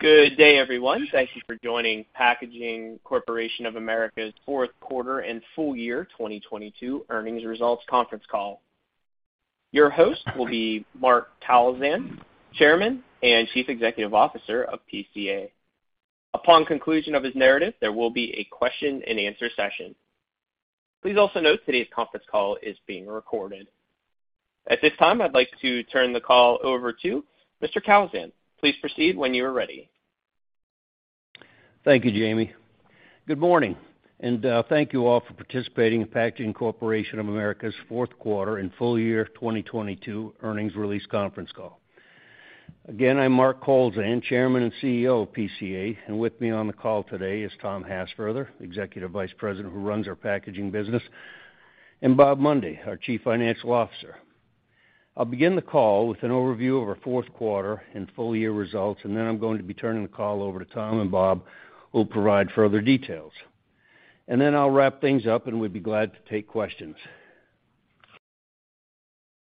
Good day, everyone. Thank you for joining Packaging Corporation of America's fourth quarter and full year 2022 earnings results conference call. Your host will be Mark Kowlzan, Chairman and Chief Executive Officer of PCA. Upon conclusion of his narrative, there will be a question-and-answer session. Please also note today's conference call is being recorded. At this time, I'd like to turn the call over to Mr. Kowlzan. Please proceed when you are ready. Thank you, Jamie. Good morning, and thank you all for participating in Packaging Corporation of America's fourth quarter and full year 2022 earnings release conference call. Again, I'm Mark Kowlzan, Chairman and CEO of PCA, and with me on the call today is Thomas Hassfurther, Executive Vice President who runs our packaging business, and Bob Mundy, our Chief Financial Officer. I'll begin the call with an overview of our fourth quarter and full year results, and then I'm going to be turning the call over to Tom and Bob, who will provide further details. Then I'll wrap things up, and we'd be glad to take questions.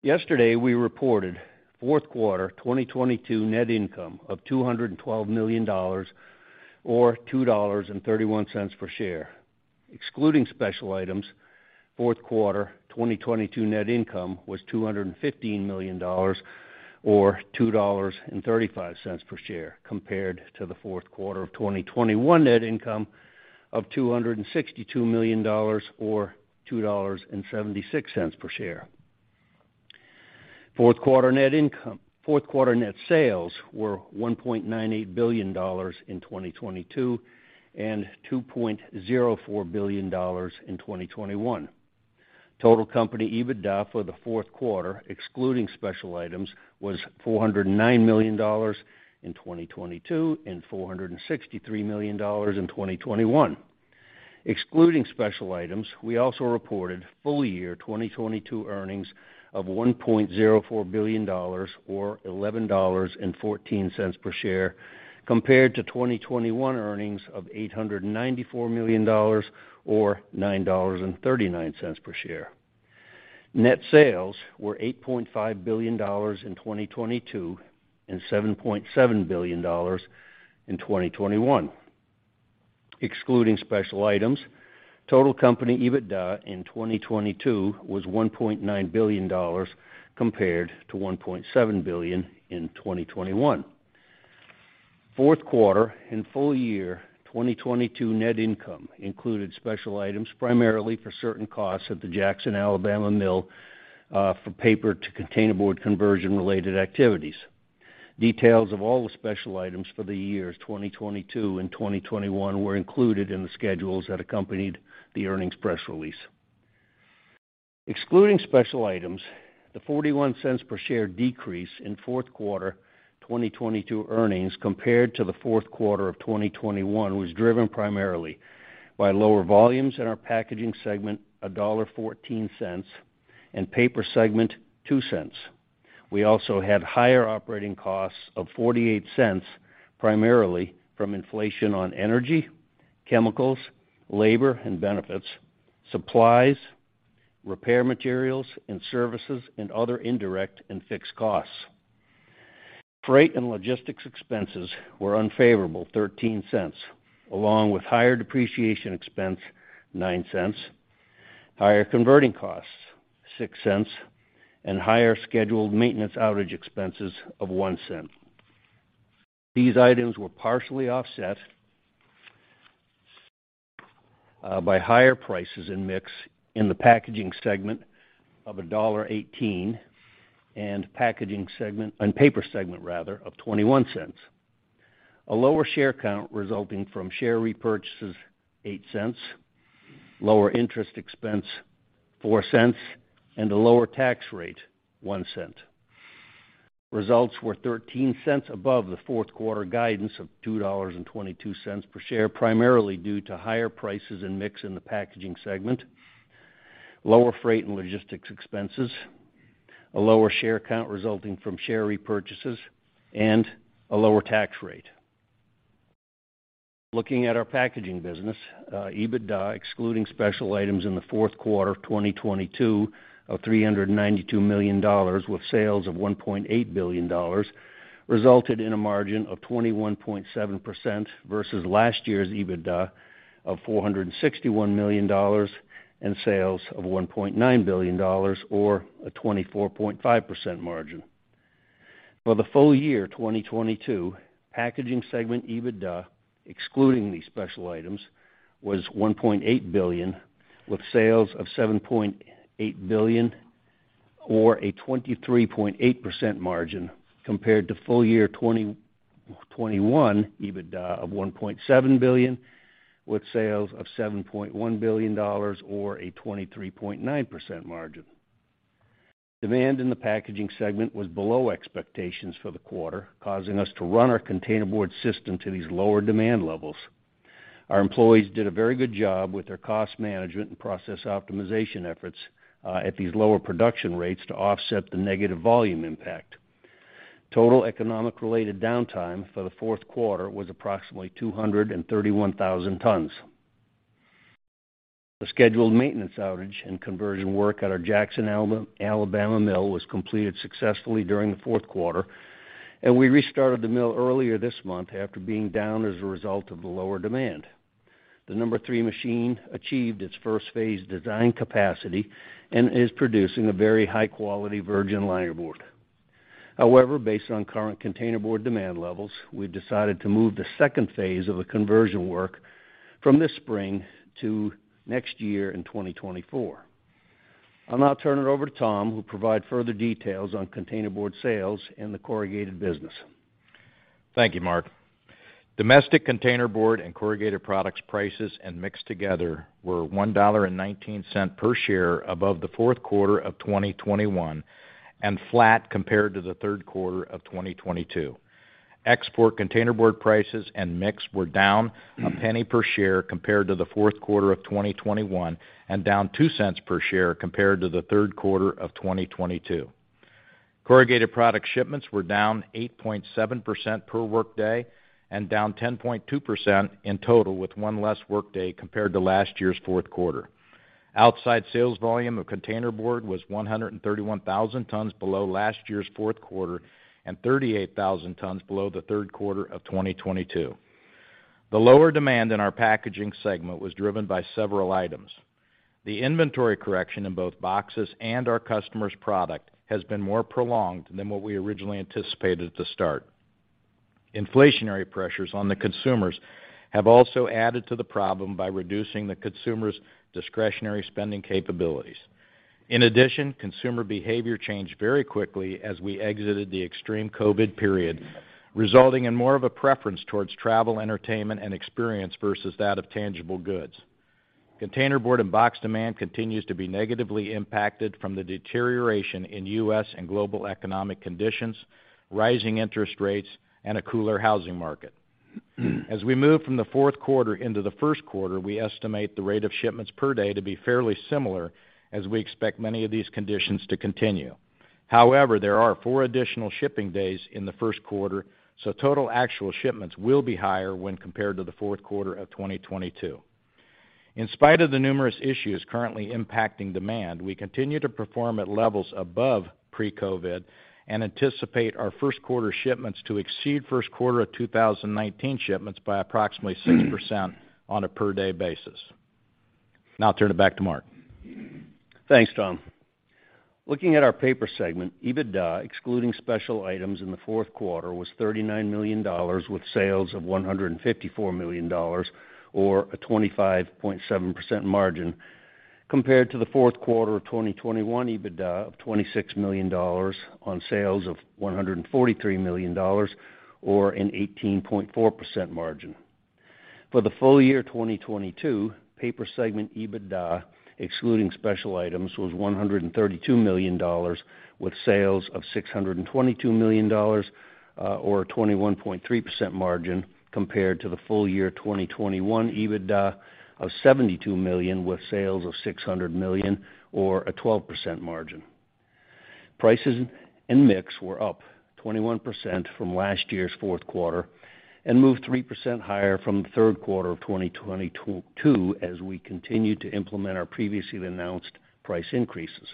Yesterday, we reported fourth quarter 2022 net income of $212 million or $2.31 per share. Excluding special items, fourth quarter 2022 net income was $215 million or $2.35 per share, compared to the fourth quarter of 2021 net income of $262 million or $2.76 per share. Fourth quarter net sales were $1.98 billion in 2022 and $2.04 billion in 2021. Total company EBITDA for the fourth quarter, excluding special items, was $409 million in 2022 and $463 million in 2021. Excluding special items, we also reported full year 2022 earnings of $1.04 billion or $11.14 per share, compared to 2021 earnings of $894 million or $9.39 per share. Net sales were $8.5 billion in 2022 and $7.7 billion in 2021. Excluding special items, total company EBITDA in 2022 was $1.9 billion compared to $1.7 billion in 2021. Fourth quarter and full year 2022 net income included special items primarily for certain costs at the Jackson, Alabama mill, for paper to containerboard conversion-related activities. Details of all the special items for the years 2022 and 2021 were included in the schedules that accompanied the earnings press release. Excluding special items, the $0.41 per share decrease in fourth quarter 2022 earnings compared to the fourth quarter of 2021 was driven primarily by lower volumes in our packaging segment, $1.14, and paper segment, $0.02. We also had higher operating costs of $0.48, primarily from inflation on energy, chemicals, labor and benefits, supplies, repair materials and services, and other indirect and fixed costs. Freight and logistics expenses were unfavorable $0.13, along with higher depreciation expense, $0.09, higher converting costs, $0.06, and higher scheduled maintenance outage expenses of $0.01. These items were partially offset by higher prices in mix in the packaging segment of $1.18 and paper segment rather of $0.21. A lower share count resulting from share repurchases, $0.08, lower interest expense, $0.04, and a lower tax rate, $0.01. Results were $0.13 above the fourth quarter guidance of $2.22 per share, primarily due to higher prices and mix in the Packaging segment, lower freight and logistics expenses, a lower share count resulting from share repurchases, and a lower tax rate. Looking at our Packaging business, EBITDA, excluding special items in the fourth quarter of 2022 of $392 million with sales of $1.8 billion, resulted in a margin of 21.7% versus last year's EBITDA of $461 million and sales of $1.9 billion or a 24.5% margin. For the full year 2022, Packaging segment EBITDA, excluding these special items, was $1.8 billion, with sales of $7.8 billion or a 23.8% margin compared to full year 2021 EBITDA of $1.7 billion with sales of $7.1 billion or a 23.9% margin. Demand in the Packaging segment was below expectations for the quarter, causing us to run our containerboard system to these lower demand levels. Our employees did a very good job with their cost management and process optimization efforts at these lower production rates to offset the negative volume impact. Total economic-related downtime for the fourth quarter was approximately 231,000 tons. The scheduled maintenance outage and conversion work at our Jackson, Alabama mill was completed successfully during the fourth quarter. We restarted the mill earlier this month after being down as a result of the lower demand. The number three machine achieved its first phase design capacity and is producing a very high-quality virgin linerboard. However, based on current containerboard demand levels, we've decided to move the second phase of the conversion work from this spring to next year in 2024. I'll now turn it over to Tom, who'll provide further details on containerboard sales in the corrugated business. Thank you, Mark. Domestic containerboard and corrugated products prices and mix together were $1.19 per share above the fourth quarter of 2021, and flat compared to the third quarter of 2022. Export containerboard prices and mix were down $0.01 per share compared to the fourth quarter of 2021, and down $0.02 per share compared to the third quarter of 2022. Corrugated product shipments were down 8.7% per workday and down 10.2% in total, with one less workday compared to last year's fourth quarter. Outside sales volume of containerboard was 131,000 tons below last year's fourth quarter and 38,000 tons below the third quarter of 2022. The lower demand in our packaging segment was driven by several items. The inventory correction in both boxes and our customers' product has been more prolonged than what we originally anticipated at the start. Inflationary pressures on the consumers have also added to the problem by reducing the consumers' discretionary spending capabilities. Consumer behavior changed very quickly as we exited the extreme COVID period, resulting in more of a preference towards travel, entertainment, and experience versus that of tangible goods. Containerboard and box demand continues to be negatively impacted from the deterioration in U.S. and global economic conditions, rising interest rates, and a cooler housing market. As we move from the fourth quarter into the first quarter, we estimate the rate of shipments per day to be fairly similar as we expect many of these conditions to continue. There are four additional shipping days in the first quarter. Total actual shipments will be higher when compared to the fourth quarter of 2022. In spite of the numerous issues currently impacting demand, we continue to perform at levels above pre-COVID and anticipate our first quarter shipments to exceed first quarter of 2019 shipments by approximately 6% on a per-day basis. I'll turn it back to Mark. Thanks, Tom. Looking at our paper segment, EBITDA, excluding special items in the fourth quarter, was $39 million with sales of $154 million or a 25.7% margin compared to the fourth quarter of 2021 EBITDA of $26 million on sales of $143 million or an 18.4% margin. For the full year 2022, paper segment EBITDA, excluding special items, was $132 million with sales of $622 million or a 21.3% margin compared to the full year 2021 EBITDA of $72 million with sales of $600 million or a 12% margin. Prices and mix were up 21% from last year's fourth quarter and moved 3% higher from the third quarter of 2022 as we continued to implement our previously announced price increases.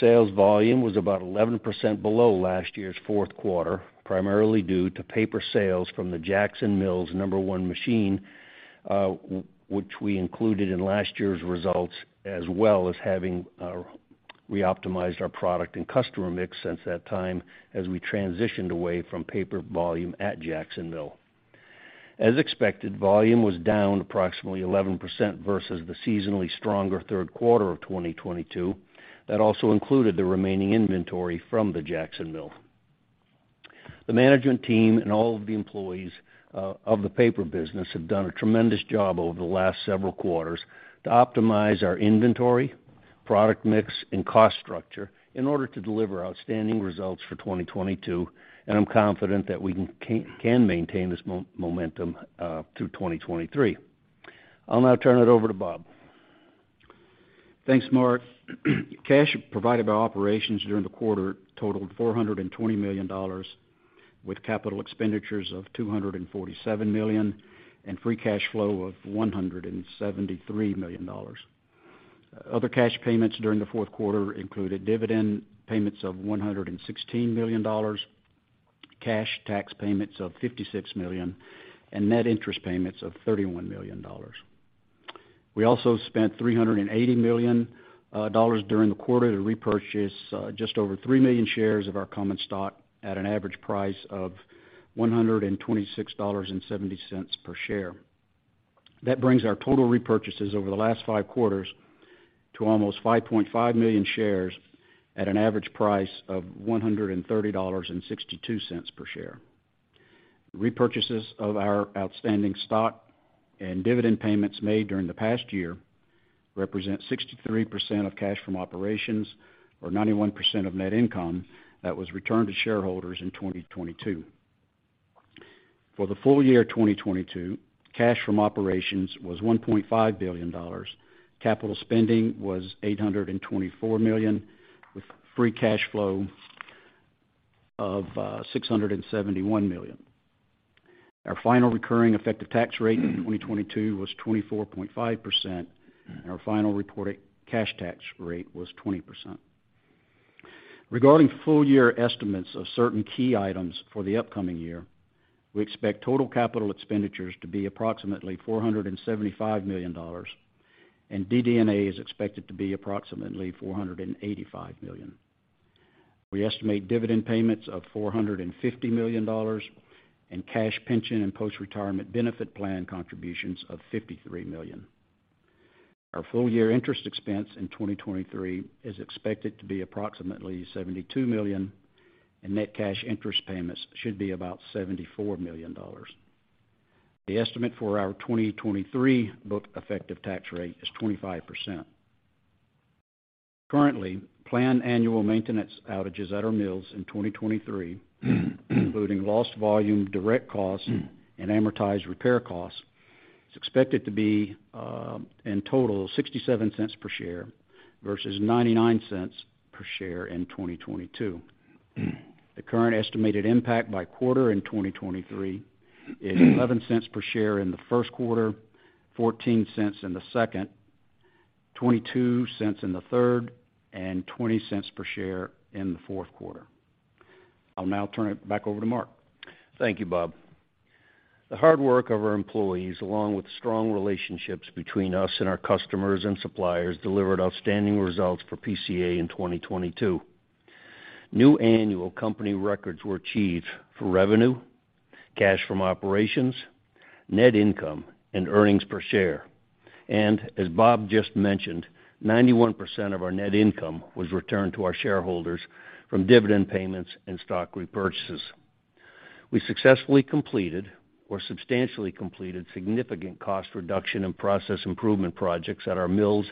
Sales volume was about 11% below last year's fourth quarter, primarily due to paper sales from the Jackson Mill's number one machine, which we included in last year's results, as well as having reoptimized our product and customer mix since that time as we transitioned away from paper volume at Jackson Mill. As expected, volume was down approximately 11% versus the seasonally stronger third quarter of 2022. That also included the remaining inventory from the Jackson Mill. The management team and all of the employees of the paper business have done a tremendous job over the last several quarters to optimize our inventory, product mix, and cost structure in order to deliver outstanding results for 2022. I'm confident that we can maintain this momentum through 2023. I'll now turn it over to Bob. Thanks, Mark. Cash provided by operations during the quarter totaled $420 million with capital expenditures of $247 million and free cash flow of $173 million. Other cash payments during the fourth quarter included dividend payments of $116 million, cash tax payments of $56 million, and net interest payments of $31 million. We also spent $380 million during the quarter to repurchase just over 3 million shares of our common stock at an average price of $126.70 per share. That brings our total repurchases over the last 5 quarters to almost 5.5 million shares at an average price of $130.62 per share. Repurchases of our outstanding stock and dividend payments made during the past year represent 63% of cash from operations or 91% of net income that was returned to shareholders in 2022. For the full year 2022, cash from operations was $1.5 billion. Capital spending was $824 million with free cash flow Of $671 million. Our final recurring effective tax rate in 2022 was 24.5%, and our final reported cash tax rate was 20%. Regarding full year estimates of certain key items for the upcoming year, we expect total capital expenditures to be approximately $475 million, and DD&A is expected to be approximately $485 million. We estimate dividend payments of $450 million and cash pension and post-retirement benefit plan contributions of $53 million. Our full year interest expense in 2023 is expected to be approximately $72 million, and net cash interest payments should be about $74 million. The estimate for our 2023 book effective tax rate is 25%. Currently, planned annual maintenance outages at our mills in 2023, including lost volume, direct costs and amortized repair costs, is expected to be in total $0.67 per share versus $0.99 per share in 2022. The current estimated impact by quarter in 2023 is $0.11 per share in the first quarter, $0.14 in the second, $0.22 in the third, and $0.20 per share in the fourth quarter. I'll now turn it back over to Mark. Thank you, Bob. The hard work of our employees, along with strong relationships between us and our customers and suppliers, delivered outstanding results for PCA in 2022. New annual company records were achieved for revenue, cash from operations, net income, and earnings per share. As Bob just mentioned, 91% of our net income was returned to our shareholders from dividend payments and stock repurchases. We successfully completed or substantially completed significant cost reduction and process improvement projects at our mills,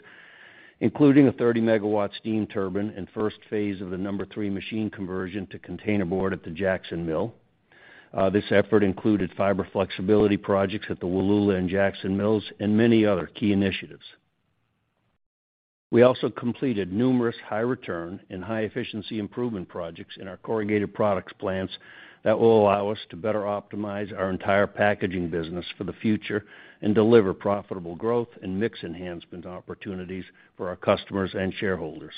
including a 30 MW steam turbine and first phase of the number three machine conversion to containerboard at the Jackson Mill. This effort included fiber flexibility projects at the Wallula and Jackson Mills and many other key initiatives. We also completed numerous high return and high efficiency improvement projects in our corrugated products plants that will allow us to better optimize our entire packaging business for the future and deliver profitable growth and mix enhancement opportunities for our customers and shareholders.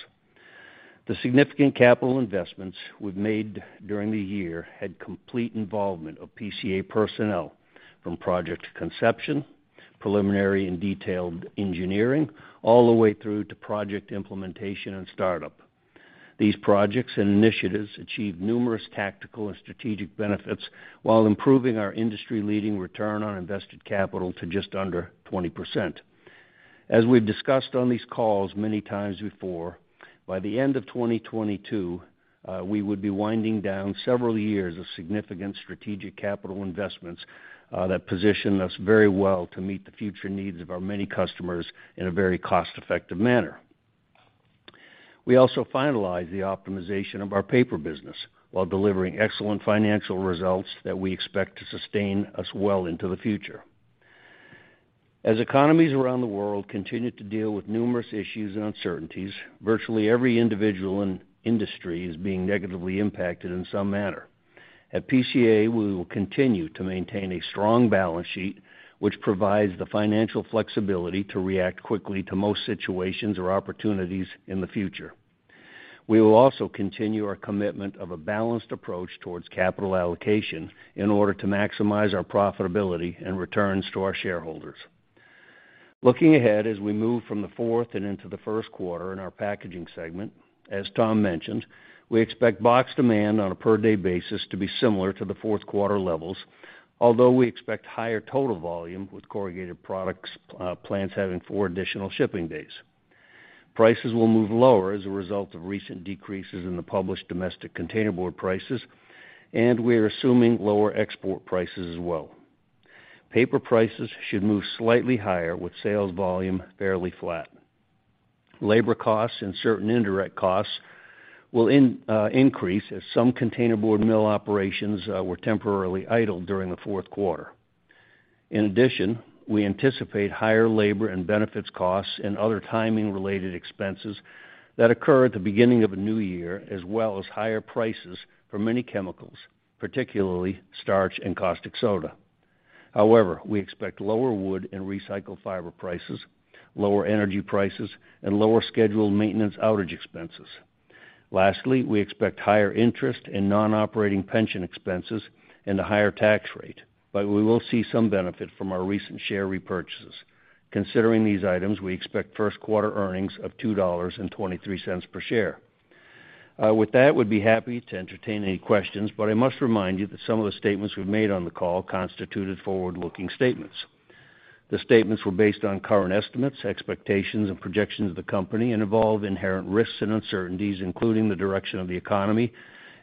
The significant capital investments we've made during the year had complete involvement of PCA personnel from project conception, preliminary and detailed engineering, all the way through to project implementation and startup. These projects and initiatives achieved numerous tactical and strategic benefits while improving our industry-leading return on invested capital to just under 20%. As we've discussed on these calls many times before, by the end of 2022, we would be winding down several years of significant strategic capital investments that position us very well to meet the future needs of our many customers in a very cost-effective manner. We also finalized the optimization of our paper business while delivering excellent financial results that we expect to sustain us well into the future. As economies around the world continue to deal with numerous issues and uncertainties, virtually every individual and industry is being negatively impacted in some manner. At PCA, we will continue to maintain a strong balance sheet, which provides the financial flexibility to react quickly to most situations or opportunities in the future. We will also continue our commitment of a balanced approach towards capital allocation in order to maximize our profitability and returns to our shareholders. Looking ahead as we move from the fourth and into the first quarter in our packaging segment, as Tom mentioned, we expect box demand on a per-day basis to be similar to the fourth quarter levels, although we expect higher total volume with corrugated products, plans having four additional shipping days. Prices will move lower as a result of recent decreases in the published domestic containerboard prices. We are assuming lower export prices as well. Paper prices should move slightly higher with sales volume fairly flat. Labor costs and certain indirect costs will increase as some containerboard mill operations were temporarily idle during the fourth quarter. In addition, we anticipate higher labor and benefits costs and other timing-related expenses that occur at the beginning of a new year, as well as higher prices for many chemicals, particularly starch and caustic soda. However, we expect lower wood and recycled fiber prices, lower energy prices, and lower scheduled maintenance outage expenses. Lastly, we expect higher interest in non-operating pension expenses and a higher tax rate, but we will see some benefit from our recent share repurchases. Considering these items, we expect first quarter earnings of $2.23 per share. With that, we'd be happy to entertain any questions, but I must remind you that some of the statements we've made on the call constituted forward-looking statements. The statements were based on current estimates, expectations, and projections of the company and involve inherent risks and uncertainties, including the direction of the economy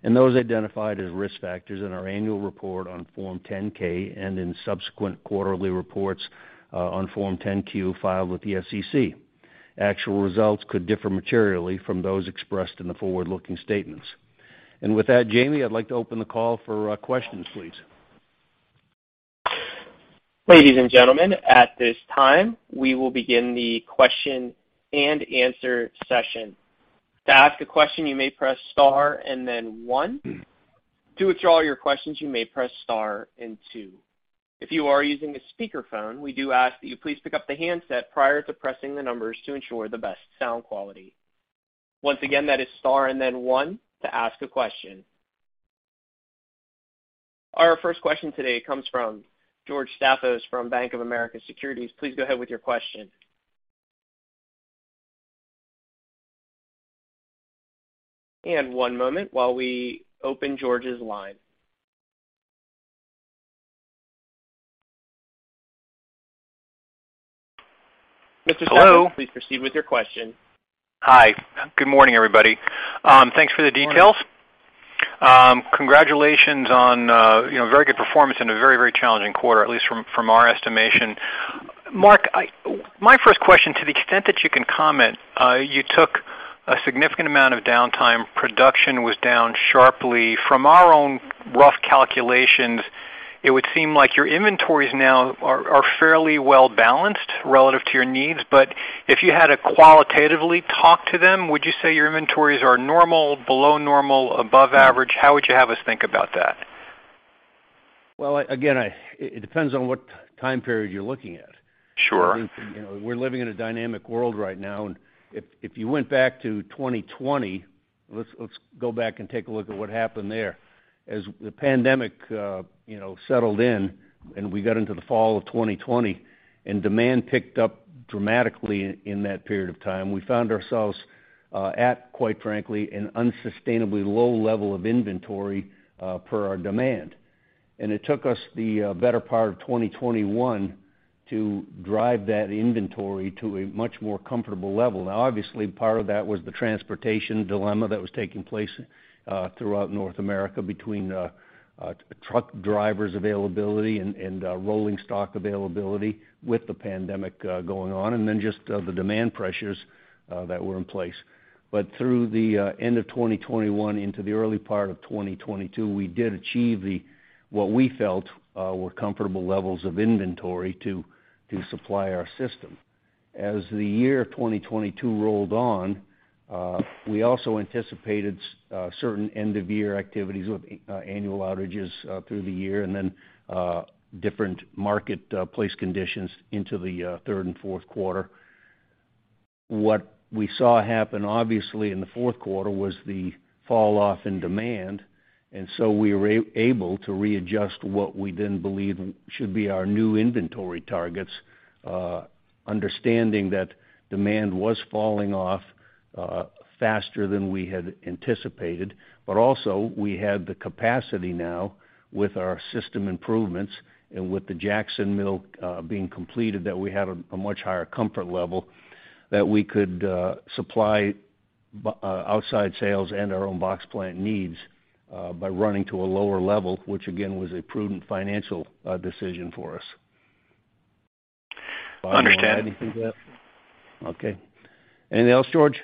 and those identified as risk factors in our annual report on Form 10-K and in subsequent quarterly reports on Form 10-Q filed with the SEC. Actual results could differ materially from those expressed in the forward-looking statements. With that, Jamie, I'd like to open the call for questions, please. Ladies and gentlemen, at this time, we will begin the question-and-answer session. To ask a question, you may press star and then one. To withdraw your questions, you may press star and two. If you are using a speakerphone, we do ask that you please pick up the handset prior to pressing the numbers to ensure the best sound quality. Once again, that is star and then one to ask a question. Our first question today comes from George Staphos from Bank of America Securities. Please go ahead with your question. One moment while we open George's line. Mr. Staphos. Hello. Please proceed with your question. Hi. Good morning, everybody. Thanks for the details. Good morning. Congratulations on, you know, very good performance in a very, very challenging quarter, at least from our estimation. Mark, my first question, to the extent that you can comment, you took a significant amount of downtime, production was down sharply. From our own rough calculations, it would seem like your inventories now are fairly well-balanced relative to your needs. If you had to qualitatively talk to them, would you say your inventories are normal, below normal, above average? How would you have us think about that? Well, again, it depends on what time period you're looking at. Sure. You know, we're living in a dynamic world right now. If you went back to 2020, let's go back and take a look at what happened there. As the pandemic, you know, settled in and we got into the fall of 2020 and demand picked up dramatically in that period of time, we found ourselves at, quite frankly, an unsustainably low level of inventory per our demand. It took us the better part of 2021 to drive that inventory to a much more comfortable level. Now obviously, part of that was the transportation dilemma that was taking place throughout North America between truck drivers availability and rolling stock availability with the pandemic going on, and then just the demand pressures that were in place. Through the end of 2021 into the early part of 2022, we did achieve the, what we felt, were comfortable levels of inventory to supply our system. As the year 2022 rolled on, we also anticipated certain end of year activities with annual outages through the year and then different marketplace conditions into the third and fourth quarter. What we saw happen, obviously, in the fourth quarter was the fall off in demand, and so we were able to readjust what we then believed should be our new inventory targets, understanding that demand was falling off faster than we had anticipated. Also we had the capacity now with our system improvements and with the Jackson Mill being completed, that we had a much higher comfort level that we could supply outside sales and our own box plant needs by running to a lower level, which again, was a prudent financial decision for us. Understand. Mark, do you want to add anything to that? Okay. Anything else, George?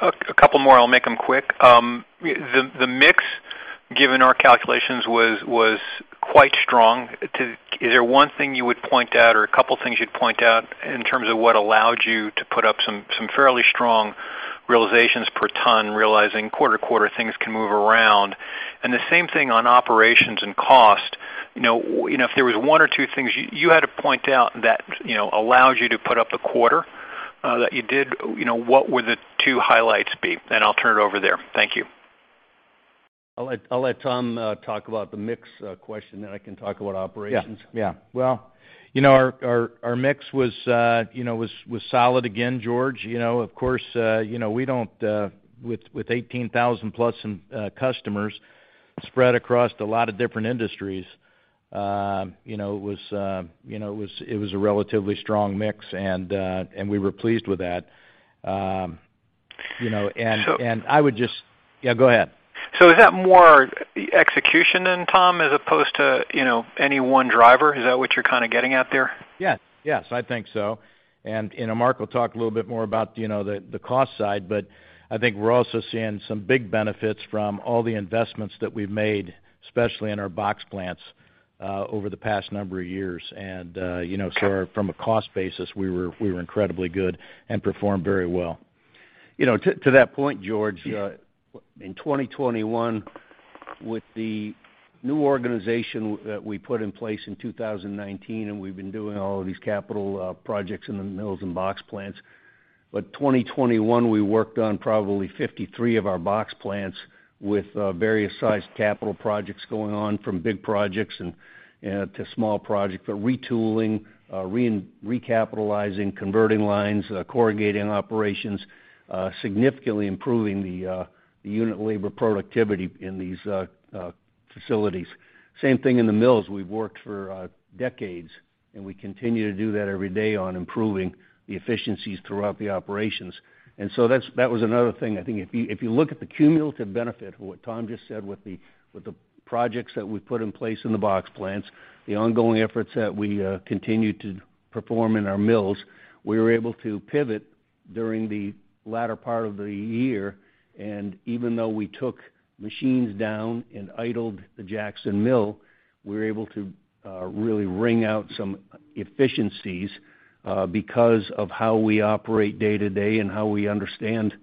A couple more. I'll make them quick. The mix, given our calculations, was quite strong. Is there one thing you would point out or a couple things you'd point out in terms of what allowed you to put up some fairly strong realizations per ton, realizing quarter to quarter things can move around? The same thing on operations and cost. You know, if there was one or two things you had to point out that, you know, allows you to put up the quarter that you did, you know, what would the two highlights be? I'll turn it over there. Thank you. I'll let Tom talk about the mix question, then I can talk about operations. Yeah. Yeah. Well, you know, our mix was, you know, solid again, George Staphos. You know, of course, you know, we don't, with 18,000 plus in customers spread across a lot of different industries, you know, it was, you know, a relatively strong mix and we were pleased with that. You know. Yeah, go ahead. Is that more execution then, Tom, as opposed to, you know, any one driver? Is that what you're kind of getting at there? Yes. Yes, I think so. You know, Mark will talk a little bit more about, you know, the cost side, but I think we're also seeing some big benefits from all the investments that we've made, especially in our box plants, over the past number of years. You know, so from a cost basis, we were incredibly good and performed very well. You know, to that point, George. Yeah. In 2021, with the new organization that we put in place in 2019, and we've been doing all of these capital projects in the mills and box plants. 2021, we worked on probably 53 of our box plants with various sized capital projects going on, from big projects and, you know, to small projects, for retooling, recapitalizing, converting lines, corrugating operations, significantly improving the unit labor productivity in these facilities. Same thing in the mills. We've worked for decades, and we continue to do that every day on improving the efficiencies throughout the operations. That was another thing, I think if you look at the cumulative benefit, what Tom just said with the projects that we've put in place in the box plants, the ongoing efforts that we continue to perform in our mills, we were able to pivot during the latter part of the year, and even though we took machines down and idled the Jackson Mill, we were able to really wring out some efficiencies because of how we operate day to day and how we understand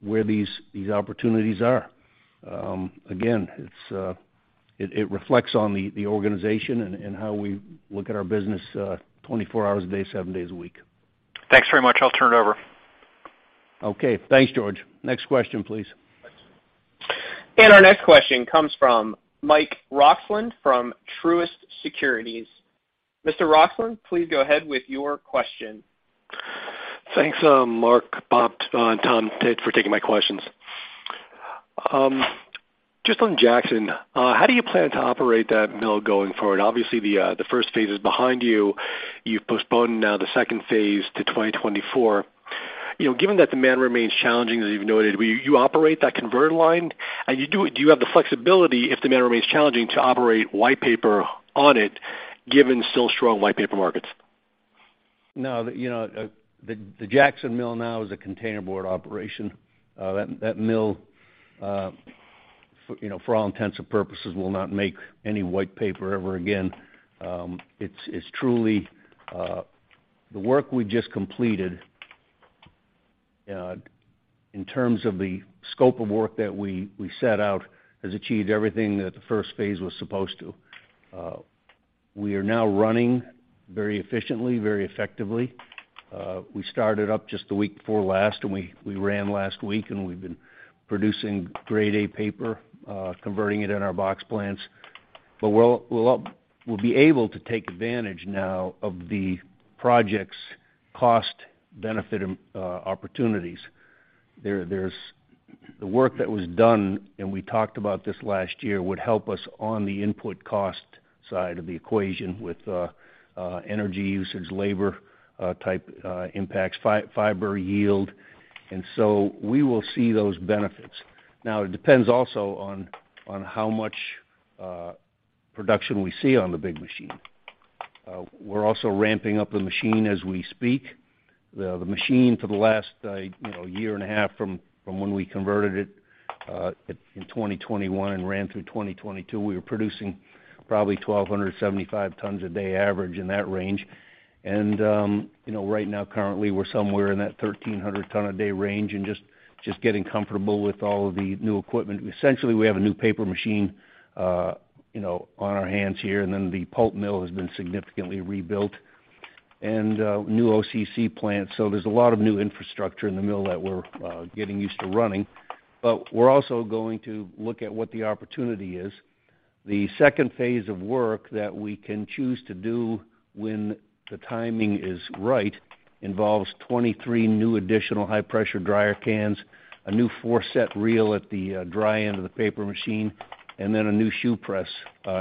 where these opportunities are. Again, it reflects on the organization and how we look at our business 24 hours a day, seven days a week. Thanks very much. I'll turn it over. Okay, thanks, George. Next question, please. Our next question comes from Michael Roxland from Truist Securities. Mr. Roxland, please go ahead with your question. Thanks, Mark, Bob, Tom, Ted, for taking my questions. Just on Jackson, how do you plan to operate that mill going forward? Obviously, the first phase is behind you. You've postponed now the second phase to 2024. You know, given that demand remains challenging, as you've noted, will you operate that converter line? Do you have the flexibility, if demand remains challenging, to operate white paper on it, given still strong white paper markets? No, you know, the Jackson Mill now is a containerboard operation. That mill, for, you know, for all intents and purposes, will not make any white paper ever again. It's truly, the work we just completed, in terms of the scope of work that we set out, has achieved everything that the first phase was supposed to. We are now running very efficiently, very effectively. We started up just the week before last, and we ran last week, and we've been producing grade A paper, converting it in our box plants. We'll be able to take advantage now of the project's cost-benefit opportunities. There's the work that was done, and we talked about this last year, would help us on the input cost side of the equation with energy usage, labor, type impacts, fiber yield. We will see those benefits. Now, it depends also on how much production we see on the big machine. We're also ramping up the machine as we speak. The machine for the last, you know, year and a half from when we converted it in 2021 and ran through 2022, we were producing probably 1,275 tons a day average in that range. You know, right now, currently, we're somewhere in that 1,300 ton a day range and just getting comfortable with all of the new equipment. Essentially, we have a new paper machine, you know, on our hands here, and then the pulp mill has been significantly rebuilt, and a new OCC plant. There's a lot of new infrastructure in the mill that we're getting used to running. We're also going to look at what the opportunity is. The second phase of work that we can choose to do when the timing is right, involves 23 new additional high-pressure dryer cans, a new four set reel at the dry end of the paper machine, and then a new shoe press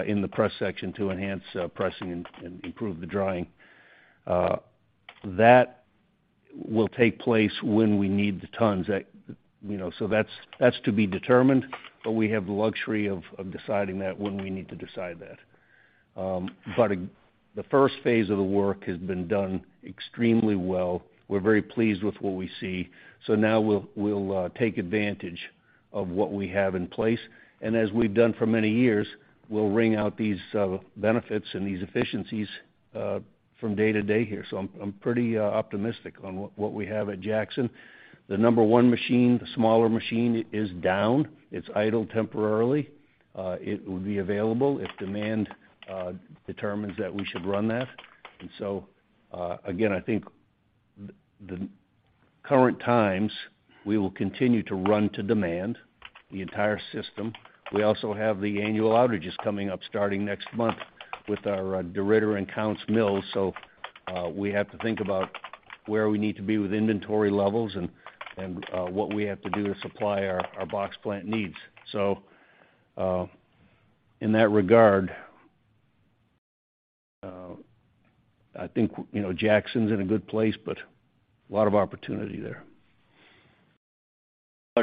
in the press section to enhance pressing and improve the drying. That will take place when we need the tons at, you know. That's to be determined, but we have the luxury of deciding that when we need to decide that. The first phase of the work has been done extremely well. We're very pleased with what we see. Now we'll take advantage of what we have in place. As we've done for many years, we'll wring out these benefits and these efficiencies from day to day here. I'm pretty optimistic on what we have at Jackson. The number 1 machine, the smaller machine is down. It's idle temporarily. It will be available if demand determines that we should run that. Again, I think the current times, we will continue to run to demand the entire system. We also have the annual outages coming up starting next month with our DeRidder and Counce mills, so we have to think about where we need to be with inventory levels and what we have to do to supply our box plant needs. In that regard, I think, you know, Jackson's in a good place, but a lot of opportunity there.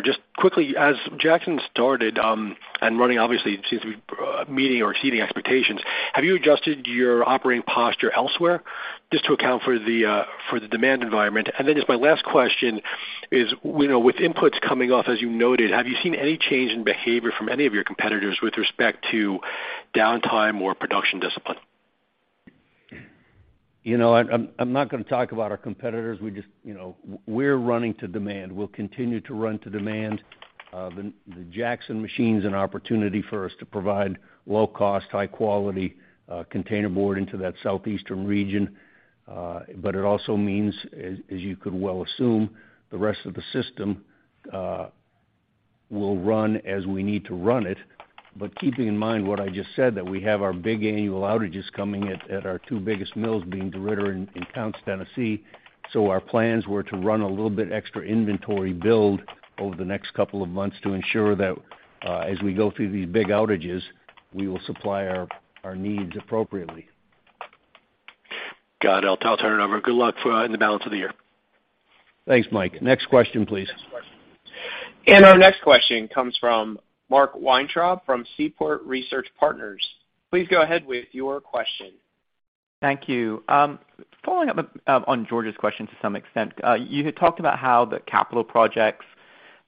Just quickly, as Jackson started, and running obviously seems to be meeting or exceeding expectations, have you adjusted your operating posture elsewhere just to account for the demand environment? Then just my last question is, you know, with inputs coming off as you noted, have you seen any change in behavior from any of your competitors with respect to downtime or production discipline? You know, I'm not gonna talk about our competitors. We just, you know, we're running to demand. We'll continue to run to demand. The Jackson machine's an opportunity for us to provide low cost, high quality containerboard into that southeastern region. But it also means as you could well assume, the rest of the system will run as we need to run it. Keeping in mind what I just said, that we have our big annual outages coming at our two biggest mills, being DeRidder and Counce, Tennessee. Our plans were to run a little bit extra inventory build over the next couple of months to ensure that as we go through these big outages, we will supply our needs appropriately. Got it. I'll turn it over. Good luck in the balance of the year. Thanks, Mike. Next question, please. Our next question comes from Mark Weintraub from Seaport Research Partners. Please go ahead with your question. Thank you. Following up on George's question to some extent. You had talked about how the capital projects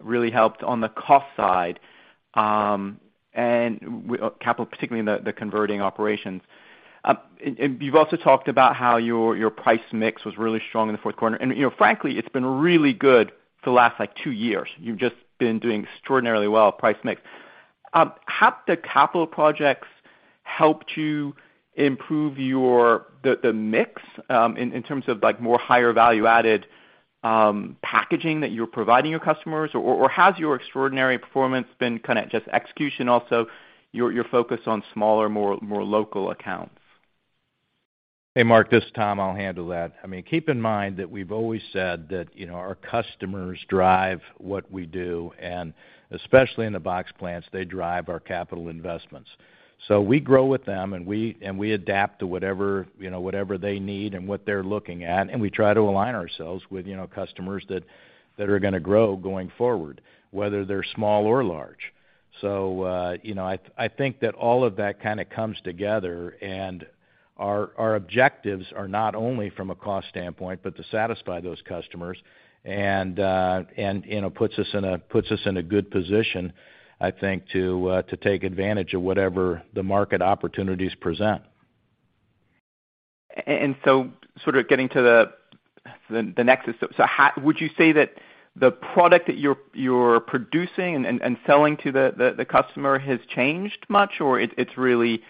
really helped on the cost side, and capital, particularly in the converting operations. You've also talked about how your price mix was really strong in the fourth quarter. You know, frankly, it's been really good for the last, like, two years. You've just been doing extraordinarily well, price mix. Have the capital projects helped you improve the mix, in terms of, like, more higher value-added packaging that you're providing your customers? Has your extraordinary performance been kind of just execution, also your focus on smaller, more local accounts? Hey, Mark, this is Tom. I'll handle that. I mean, keep in mind that we've always said that, you know, our customers drive what we do, and especially in the box plants, they drive our capital investments. We grow with them, and we adapt to whatever, you know, whatever they need and what they're looking at, and we try to align ourselves with, you know, customers that are gonna grow going forward, whether they're small or large. You know, I think that all of that kinda comes together, and our objectives are not only from a cost standpoint but to satisfy those customers and, you know, puts us in a good position, I think, to take advantage of whatever the market opportunities present. Sort of getting to the next, how would you say that the product that you're producing and selling to the customer has changed much, or it's really,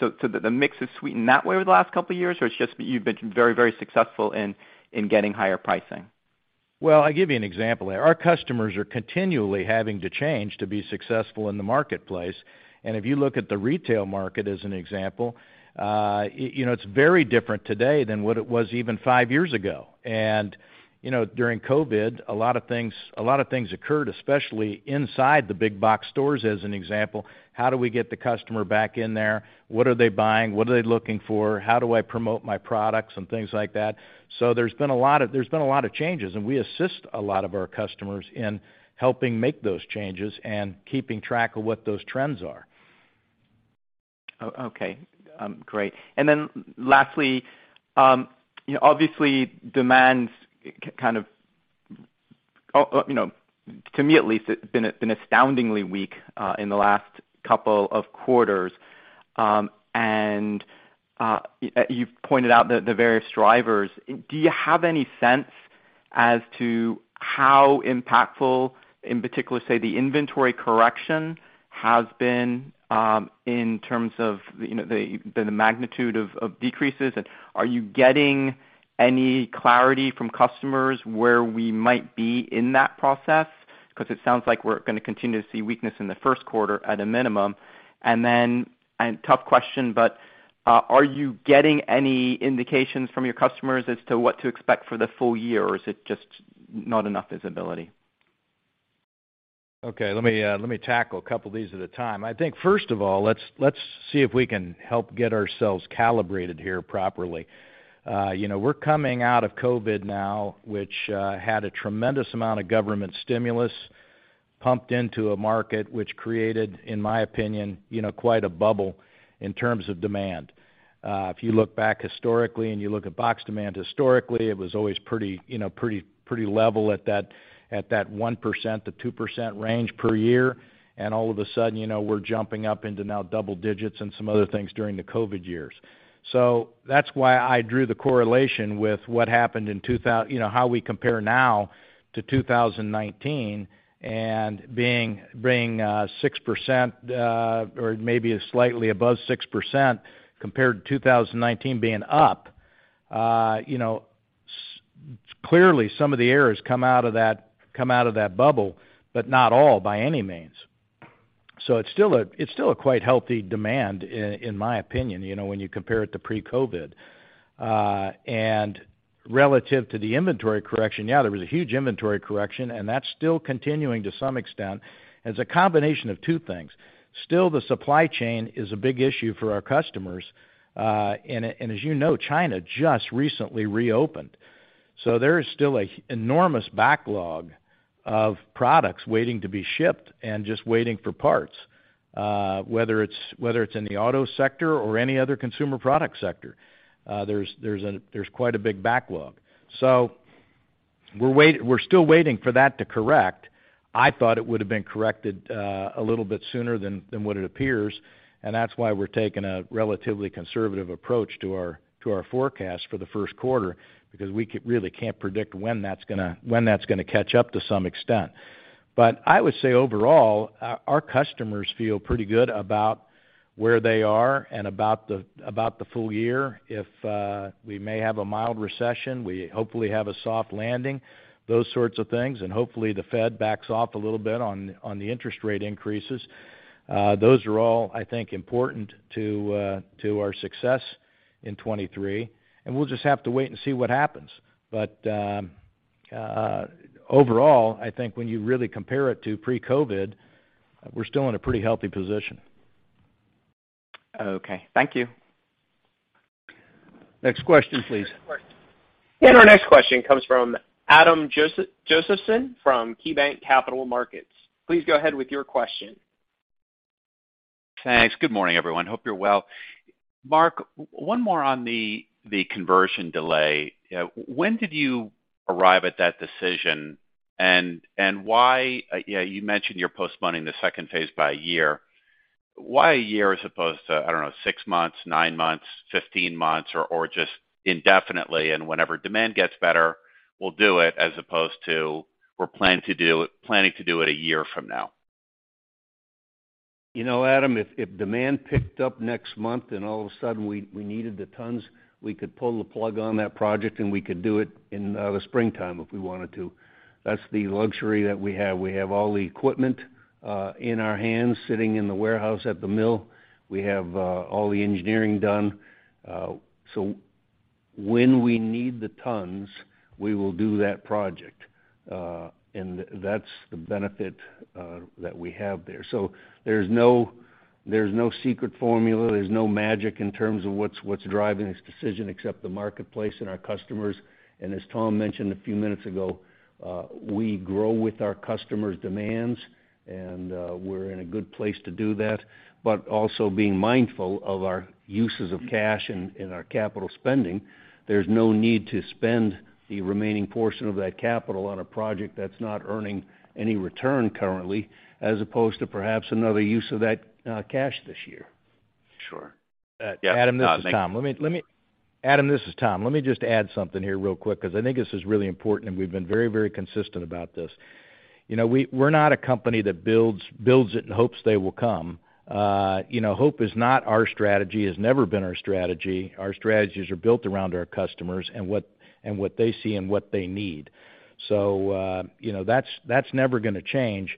so the mix has sweetened that way over the last couple of years, or it's just you've been very successful in getting higher pricing? Well, I'll give you an example there. Our customers are continually having to change to be successful in the marketplace. If you look at the retail market as an example, you know, it's very different today than what it was even five years ago. You know, during COVID, a lot of things occurred, especially inside the big box stores, as an example. How do we get the customer back in there? What are they buying? What are they looking for? How do I promote my products and things like that. There's been a lot of changes, and we assist a lot of our customers in helping make those changes and keeping track of what those trends are. Okay. Great. Then lastly, you know, obviously, demand kind of, you know, to me at least, it's been astoundingly weak in the last couple of quarters. You've pointed out the various drivers. Do you have any sense as to how impactful, in particular, say, the inventory correction has been, in terms of, you know, the magnitude of decreases? Are you getting any clarity from customers where we might be in that process? 'Cause it sounds like we're gonna continue to see weakness in the first quarter at a minimum. Then, and tough question, but are you getting any indications from your customers as to what to expect for the full year, or is it just not enough visibility? Okay. Let me tackle a couple of these at a time. I think, first of all, let's see if we can help get ourselves calibrated here properly. You know, we're coming out of COVID now, which had a tremendous amount of government stimulus pumped into a market, which created, in my opinion, you know, quite a bubble in terms of demand. If you look back historically, and you look at box demand historically, it was always pretty, you know, pretty level at that 1%-2% range per year. All of a sudden, you know, we're jumping up into now double digits and some other things during the COVID years. That's why I drew the correlation with what happened in two. You know, how we compare now to 2019, and being 6%, or maybe a slightly above 6% compared to 2019 being up. You know, clearly some of the air has come out of that bubble, but not all by any means. It's still a quite healthy demand in my opinion, you know, when you compare it to pre-COVID. Relative to the inventory correction, yeah, there was a huge inventory correction, and that's still continuing to some extent. It's a combination of two things. Still, the supply chain is a big issue for our customers, and as you know, China just recently reopened. There is still a enormous backlog of products waiting to be shipped and just waiting for parts. whether it's in the auto sector or any other consumer product sector, there's quite a big backlog. We're still waiting for that to correct. I thought it would have been corrected a little bit sooner than what it appears, and that's why we're taking a relatively conservative approach to our forecast for the first quarter because we really can't predict when that's gonna catch up to some extent. I would say overall, our customers feel pretty good about where they are and about the full year. If we may have a mild recession, we hopefully have a soft landing, those sorts of things. Hopefully, the Fed backs off a little bit on the interest rate increases. Those are all, I think, important to our success in 2023, and we'll just have to wait and see what happens. Overall, I think when you really compare it to pre-COVID, we're still in a pretty healthy position. Okay. Thank you. Next question, please. Our next question comes from Adam Josephson from KeyBanc Capital Markets. Please go ahead with your question. Thanks. Good morning, everyone. Hope you're well. Mark, one more on the conversion delay. When did you arrive at that decision? Why, yeah, you mentioned you're postponing the second phase by a year. Why a year as opposed to, I don't know, six months, nine months, 15 months or just indefinitely, and whenever demand gets better, we'll do it as opposed to we're planning to do it a year from now? You know, Adam, if demand picked up next month and all of a sudden we needed the tons, we could pull the plug on that project, and we could do it in the springtime if we wanted to. That's the luxury that we have. We have all the equipment in our hands sitting in the warehouse at the mill. We have all the engineering done. When we need the tons, we will do that project. That's the benefit that we have there. There's no secret formula, there's no magic in terms of what's driving this decision except the marketplace and our customers. As Tom mentioned a few minutes ago, we grow with our customers' demands, and we're in a good place to do that, but also being mindful of our uses of cash and our capital spending. There's no need to spend the remaining portion of that capital on a project that's not earning any return currently, as opposed to perhaps another use of that, cash this year. Sure. Yeah. Thank you. Adam, this is Tom. Let me just add something here real quick because I think this is really important, and we've been very, very consistent about this. You know, we're not a company that builds it and hopes they will come. You know, hope is not our strategy, it's never been our strategy. Our strategies are built around our customers and what they see and what they need. So, you know, that's never gonna change.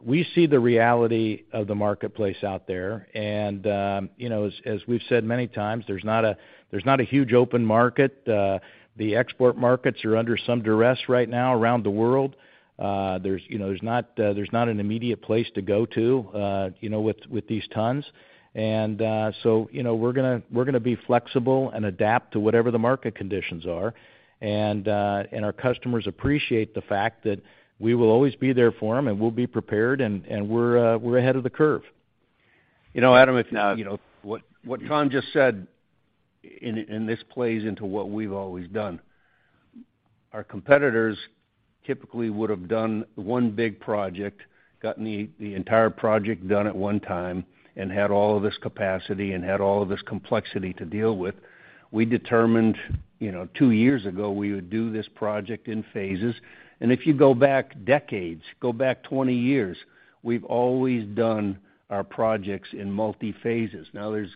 We see the reality of the marketplace out there. You know, as we've said many times, there's not a huge open market. The export markets are under some duress right now around the world. There's, you know, there's not, there's not an immediate place to go to, you know, with these tons. You know, we're gonna be flexible and adapt to whatever the market conditions are. Our customers appreciate the fact that we will always be there for them, and we'll be prepared, and we're ahead of the curve. You know, Adam, if, you know, what Tom just said. This plays into what we've always done. Our competitors typically would have done one big project, gotten the entire project done at one time, and had all of this capacity and had all of this complexity to deal with. We determined, you know, two years ago, we would do this project in phases. If you go back decades, go back 20 years, we've always done our projects in multi-phases. There's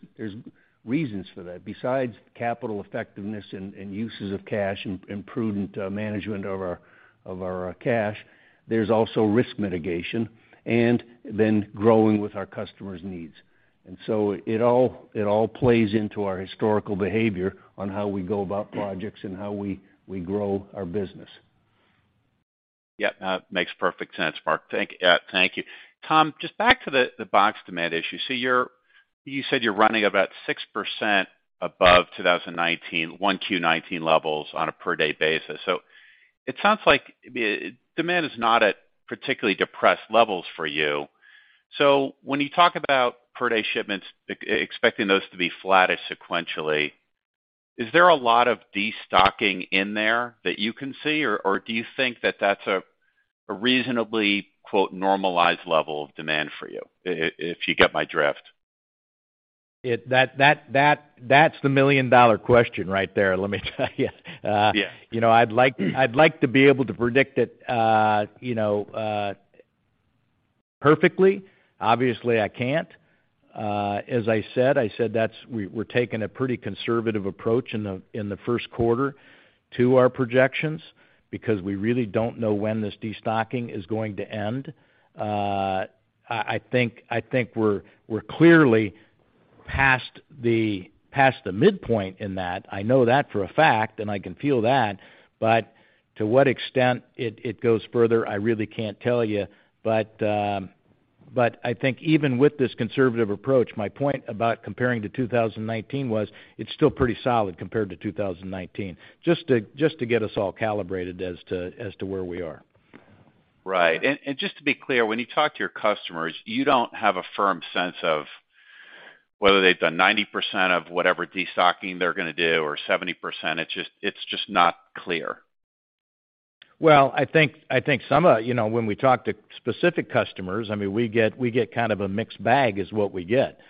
reasons for that. Besides capital effectiveness and uses of cash and prudent management of our cash, there's also risk mitigation and then growing with our customers' needs. It all plays into our historical behavior on how we go about projects and how we grow our business. Yeah. That makes perfect sense, Mark. Thank you. Tom, just back to the box demand issue. You said you're running about 6% above 2019, 1Q 2019 levels on a per day basis. It sounds like demand is not at particularly depressed levels for you. When you talk about per day shipments expecting those to be flattish sequentially, is there a lot of destocking in there that you can see, or do you think that that's a reasonably, quote, normalized level of demand for you, if you get my drift? That's the million-dollar question right there, let me tell you. Yeah. You know, I'd like to be able to predict it, you know, perfectly. Obviously, I can't. As I said, we're taking a pretty conservative approach in the first quarter to our projections because we really don't know when this destocking is going to end. I think we're clearly past the midpoint in that. I know that for a fact, and I can feel that. To what extent it goes further, I really can't tell you. I think even with this conservative approach, my point about comparing to 2019 was it's still pretty solid compared to 2019, just to get us all calibrated as to where we are. Right. Just to be clear, when you talk to your customers, you don't have a firm sense of whether they've done 90% of whatever destocking they're gonna do or 70%. It's just not clear. Well, I think some of you know, when we talk to specific customers, I mean, we get, we get kind of a mixed bag is what we get.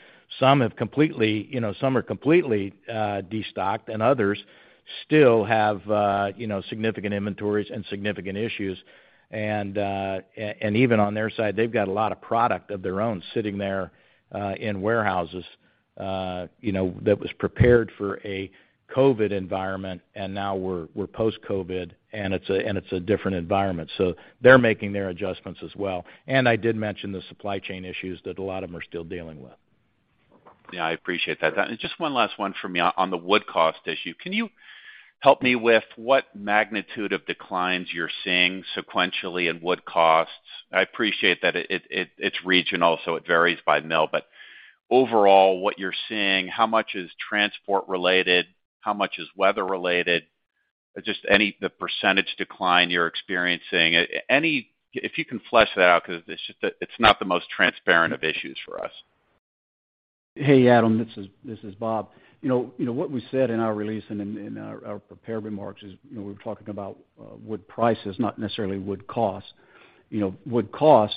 Some have completely, you know, some are completely destocked, and others still have, you know, significant inventories and significant issues. Even on their side, they've got a lot of product of their own sitting there, in warehouses, you know, that was prepared for a COVID environment, and now we're post-COVID, and it's a different environment. So they're making their adjustments as well. I did mention the supply chain issues that a lot of them are still dealing with. Yeah, I appreciate that. Just one last one for me on the wood cost issue. Can you help me with what magnitude of declines you're seeing sequentially in wood costs. I appreciate that it's regional, so it varies by mill. Overall, what you're seeing, how much is transport related? How much is weather related? Just the % decline you're experiencing. Any If you can flesh that out because it's just that it's not the most transparent of issues for us. Hey, Adam. This is Bob. What we said in our release and in our prepared remarks is, we were talking about wood prices, not necessarily wood costs. Wood cost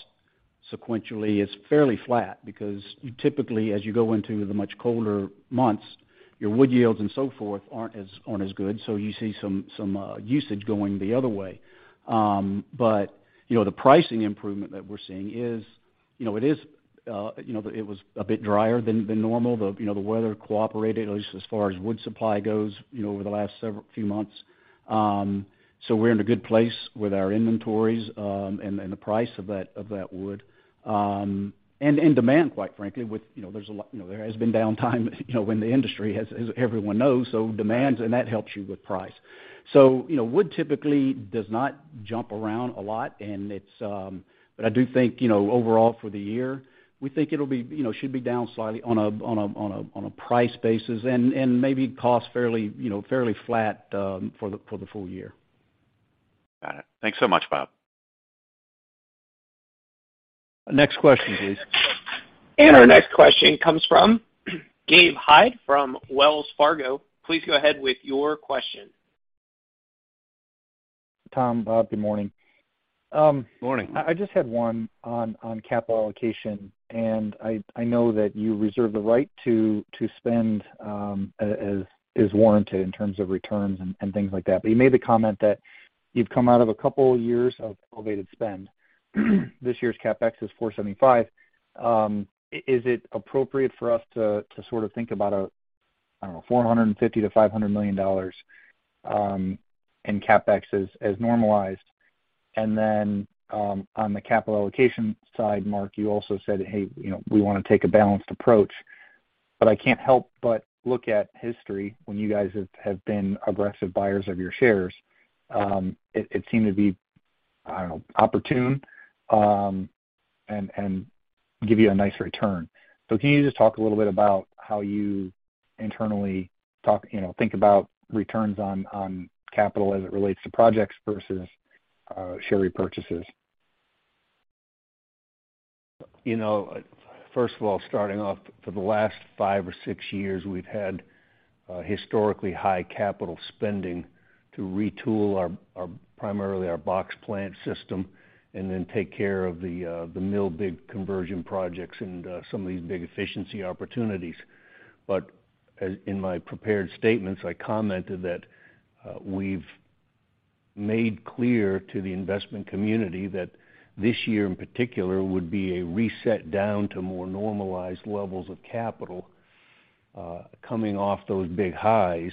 sequentially is fairly flat because you typically, as you go into the much colder months, your wood yields and so forth aren't as good, so you see some usage going the other way. The pricing improvement that we're seeing is, it is a bit drier than normal. The weather cooperated at least as far as wood supply goes, over the last few months. We're in a good place with our inventories, and the price of that wood. In demand, quite frankly, with, you know, You know, there has been downtime, you know, when the industry, as everyone knows, demands, and that helps you with price. You know, wood typically does not jump around a lot and it's. I do think, you know, overall for the year, we think it'll be, you know, should be down slightly on a price basis and maybe cost fairly, you know, fairly flat for the full year. Got it. Thanks so much, Bob. Next question, please. Our next question comes from Gabe Hajde from Wells Fargo. Please go ahead with your question. Tom, Bob, good morning. Morning. I just had one on capital allocation. I know that you reserve the right to spend as is warranted in terms of returns and things like that. You made the comment that you've come out of a couple years of elevated spend. This year's CapEx is $475 million. Is it appropriate for us to sort of think about, I don't know, $450 million-$500 million in CapEx as normalized? On the capital allocation side, Mark, you also said, "Hey, you know, we wanna take a balanced approach." I can't help but look at history when you guys have been aggressive buyers of your shares. It seemed to be, I don't know, opportune, and give you a nice return. Can you just talk a little bit about how you internally talk, you know, think about returns on capital as it relates to projects versus share repurchases? You know, first of all, starting off, for the last five or six years, we've had historically high capital spending to retool primarily our box plant system and then take care of the mill big conversion projects and some of these big efficiency opportunities. As in my prepared statements, I commented that we've made clear to the investment community that this year in particular would be a reset down to more normalized levels of capital coming off those big highs.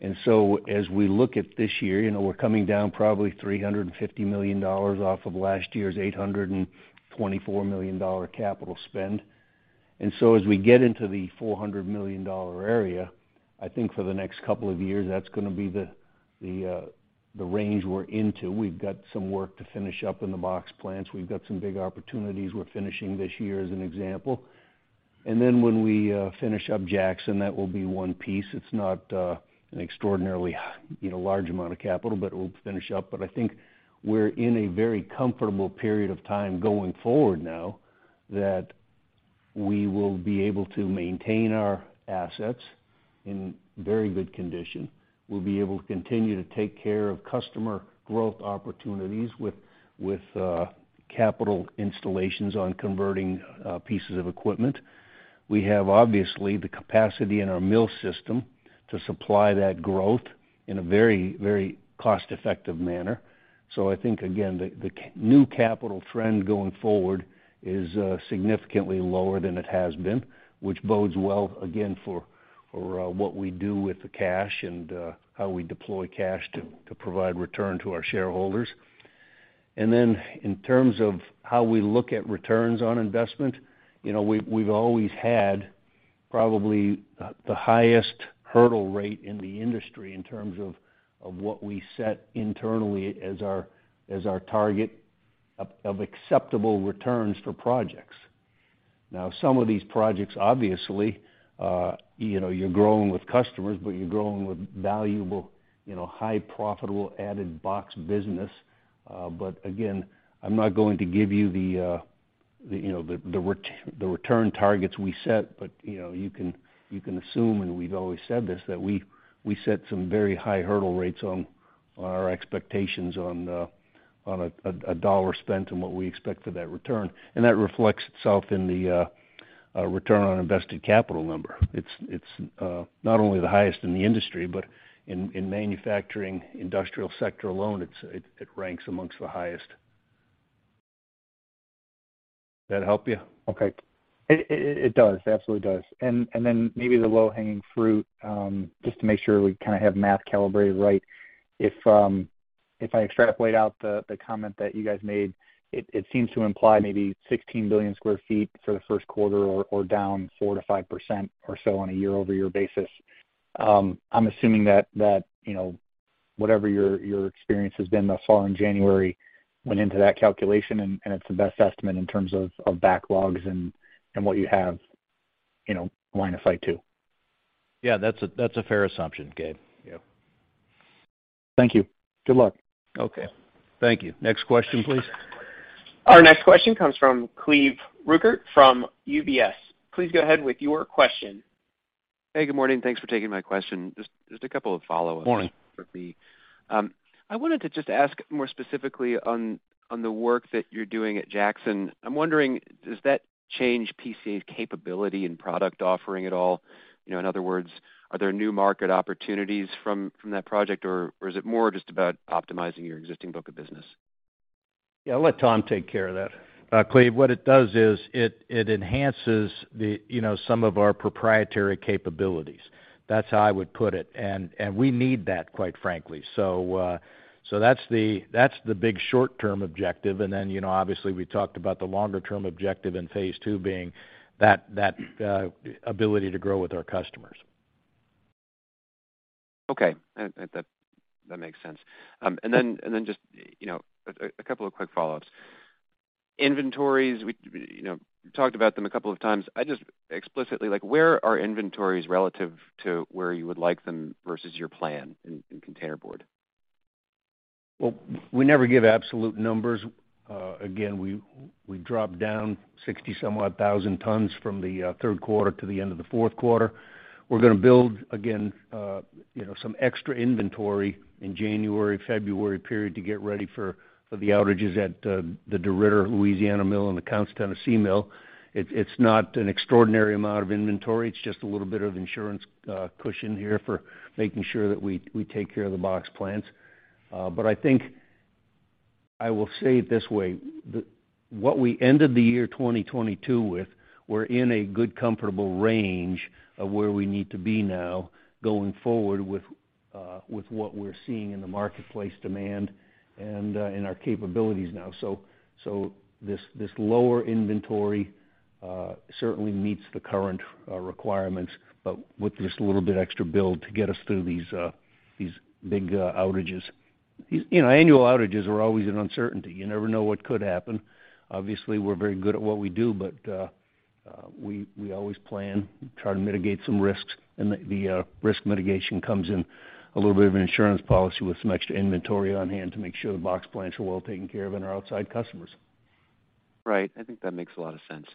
As we look at this year, you know, we're coming down probably $350 million off of last year's $824 million capital spend. As we get into the $400 million area, I think for the next couple of years, that's gonna be the range we're into. We've got some work to finish up in the box plants. We've got some big opportunities we're finishing this year, as an example. When we finish up Jackson, that will be one piece. It's not an extraordinarily, you know, large amount of capital, but it will finish up. I think we're in a very comfortable period of time going forward now that we will be able to maintain our assets in very good condition. We'll be able to continue to take care of customer growth opportunities with capital installations on converting pieces of equipment. We have, obviously, the capacity in our mill system to supply that growth in a very, very cost-effective manner. I think, again, the new capital trend going forward is significantly lower than it has been, which bodes well, again, for what we do with the cash and how we deploy cash to provide return to our shareholders. In terms of how we look at returns on investment, you know, we've always had probably the highest hurdle rate in the industry in terms of what we set internally as our target of acceptable returns for projects. Some of these projects, obviously, you know, you're growing with customers, but you're growing with valuable, you know, high profitable added box business. Again, I'm not going to give you the, you know, the return targets we set. You know, you can, you can assume, and we've always said this, that we set some very high hurdle rates on our expectations on a dollar spent and what we expect for that return. That reflects itself in the return on invested capital number. It's, it's not only the highest in the industry, but in manufacturing industrial sector alone, it ranks amongst the highest. That help you? It does. Absolutely does. Then maybe the low-hanging fruit, just to make sure we kinda have math calibrated right. If I extrapolate out the comment that you guys made, it seems to imply maybe 16 billion sq ft for the first quarter or down 4%-5% or so on a year-over-year basis. I'm assuming that, you know, whatever your experience has been thus far in January went into that calculation, and it's the best estimate in terms of backlogs and what you have, you know, line of sight to. Yeah. That's a fair assumption, Gabe. Yeah. Thank you. Good luck. Okay. Thank you. Next question, please. Our next question comes from Cleveland Rueckert from UBS. Please go ahead with your question. Hey, good morning. Thanks for taking my question. Just a couple of follow-ups. Morning I wanted to just ask more specifically on the work that you're doing at Jackson. I'm wondering, does that change PC's capability and product offering at all? You know, in other words, are there new market opportunities from that project, or is it more just about optimizing your existing book of business? Yeah, I'll let Tom take care of that. Cleve, what it does is it enhances the, you know, some of our proprietary capabilities. That's how I would put it. We need that, quite frankly. That's the big short-term objective. Then, you know, obviously, we talked about the longer term objective in phase two being that ability to grow with our customers. Okay. That makes sense. And then just, you know, a couple of quick follow-ups. Inventories. We, you know, talked about them a couple of times. I just explicitly like where are inventories relative to where you would like them versus your plan in containerboard? Well, we never give absolute numbers. Again, we dropped down 60 somewhat thousand tons from the third quarter to the end of the 4th quarter. We're gonna build again, you know, some extra inventory in January, February period to get ready for the outages at the DeRidder Louisiana mill and the Counce, Tennessee mill. It's not an extraordinary amount of inventory. It's just a little bit of insurance, cushion here for making sure that we take care of the box plants. I think I will say it this way, what we ended the year 2022 with, we're in a good comfortable range of where we need to be now going forward with what we're seeing in the marketplace demand and in our capabilities now. This lower inventory certainly meets the current requirements, but with just a little bit extra build to get us through these big outages. These, you know, annual outages are always an uncertainty. You never know what could happen. Obviously, we're very good at what we do, but we always plan, try to mitigate some risks. The risk mitigation comes in a little bit of an insurance policy with some extra inventory on-hand to make sure the box plants are well taken care of and our outside customers. Right. I think that makes a lot of sense,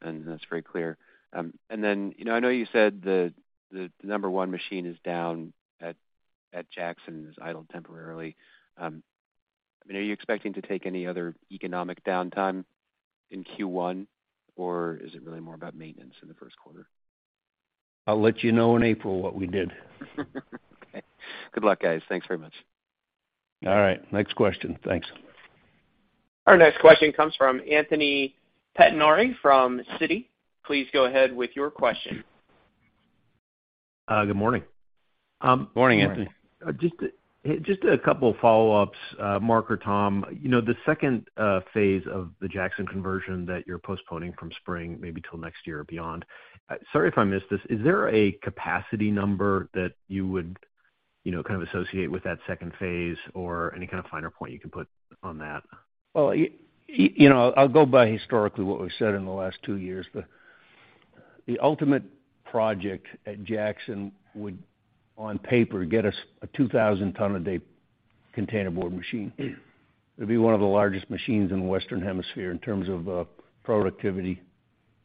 and that's very clear. You know, I know you said the number one machine is down at Jackson is idled temporarily. I mean, are you expecting to take any other economic downtime in Q1, or is it really more about maintenance in the first quarter? I'll let you know in April what we did. Okay. Good luck, guys. Thanks very much. All right. Next question. Thanks. Our next question comes from Anthony Pettinari from Citi. Please go ahead with your question. Good morning. Morning, Anthony. Morning. Just a couple follow-ups, Mark or Tom. You know, the second phase of the Jackson conversion that you're postponing from spring maybe till next year or beyond. Sorry if I missed this. Is there a capacity number that you would, you know, kind of associate with that second phase or any kind of finer point you can put on that? Well, you know, I'll go by historically what we've said in the last two years. The ultimate project at Jackson would, on paper, get us a 2,000 ton a day containerboard machine. It'd be one of the largest machines in the Western Hemisphere in terms of productivity.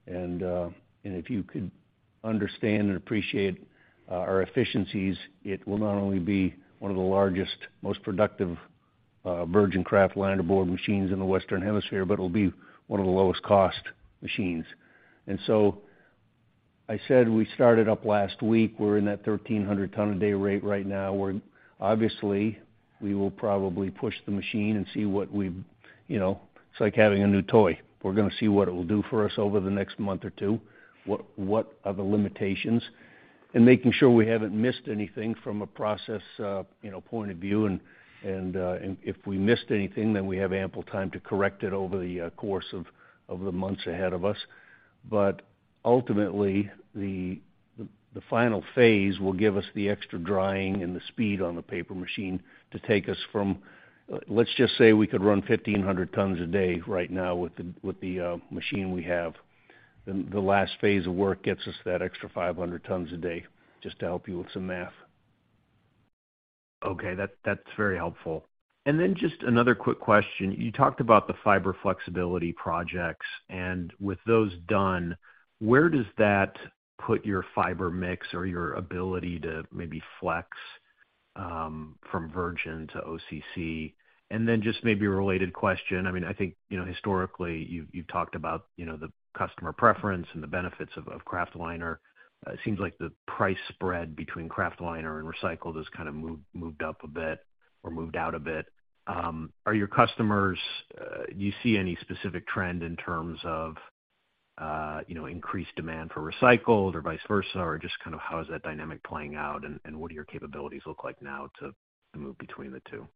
If you could understand and appreciate our efficiencies, it will not only be one of the largest, most productive virgin kraft linerboard machines in the Western Hemisphere, but it'll be one of the lowest cost machines. I said we started up last week. We're in that 1,300 ton a day rate right now, where obviously we will probably push the machine and see what we've. You know, it's like having a new toy. We're gonna see what it will do for us over the next month or two, what are the limitations, and making sure we haven't missed anything from a process, you know, point of view. If we missed anything, then we have ample time to correct it over the course of the months ahead of us. Ultimately, the final phase will give us the extra drying and the speed on the paper machine to take us from, let's just say we could run 1,500 tons a day right now with the machine we have. The last phase of work gets us that extra 500 tons a day, just to help you with some math. Okay. That's very helpful. Just another quick question. You talked about the fiber flexibility projects, and with those done, where does that put your fiber mix or your ability to maybe flex from virgin to OCC? Just maybe a related question. I mean, I think, you know, historically, you've talked about, you know, the customer preference and the benefits of kraftliner. It seems like the price spread between kraftliner and recycled has kind of moved up a bit or moved out a bit. Are your customers, do you see any specific trend in terms of-You know, increased demand for recycled or vice versa, or just kind of how is that dynamic playing out and what do your capabilities look like now to move between the two?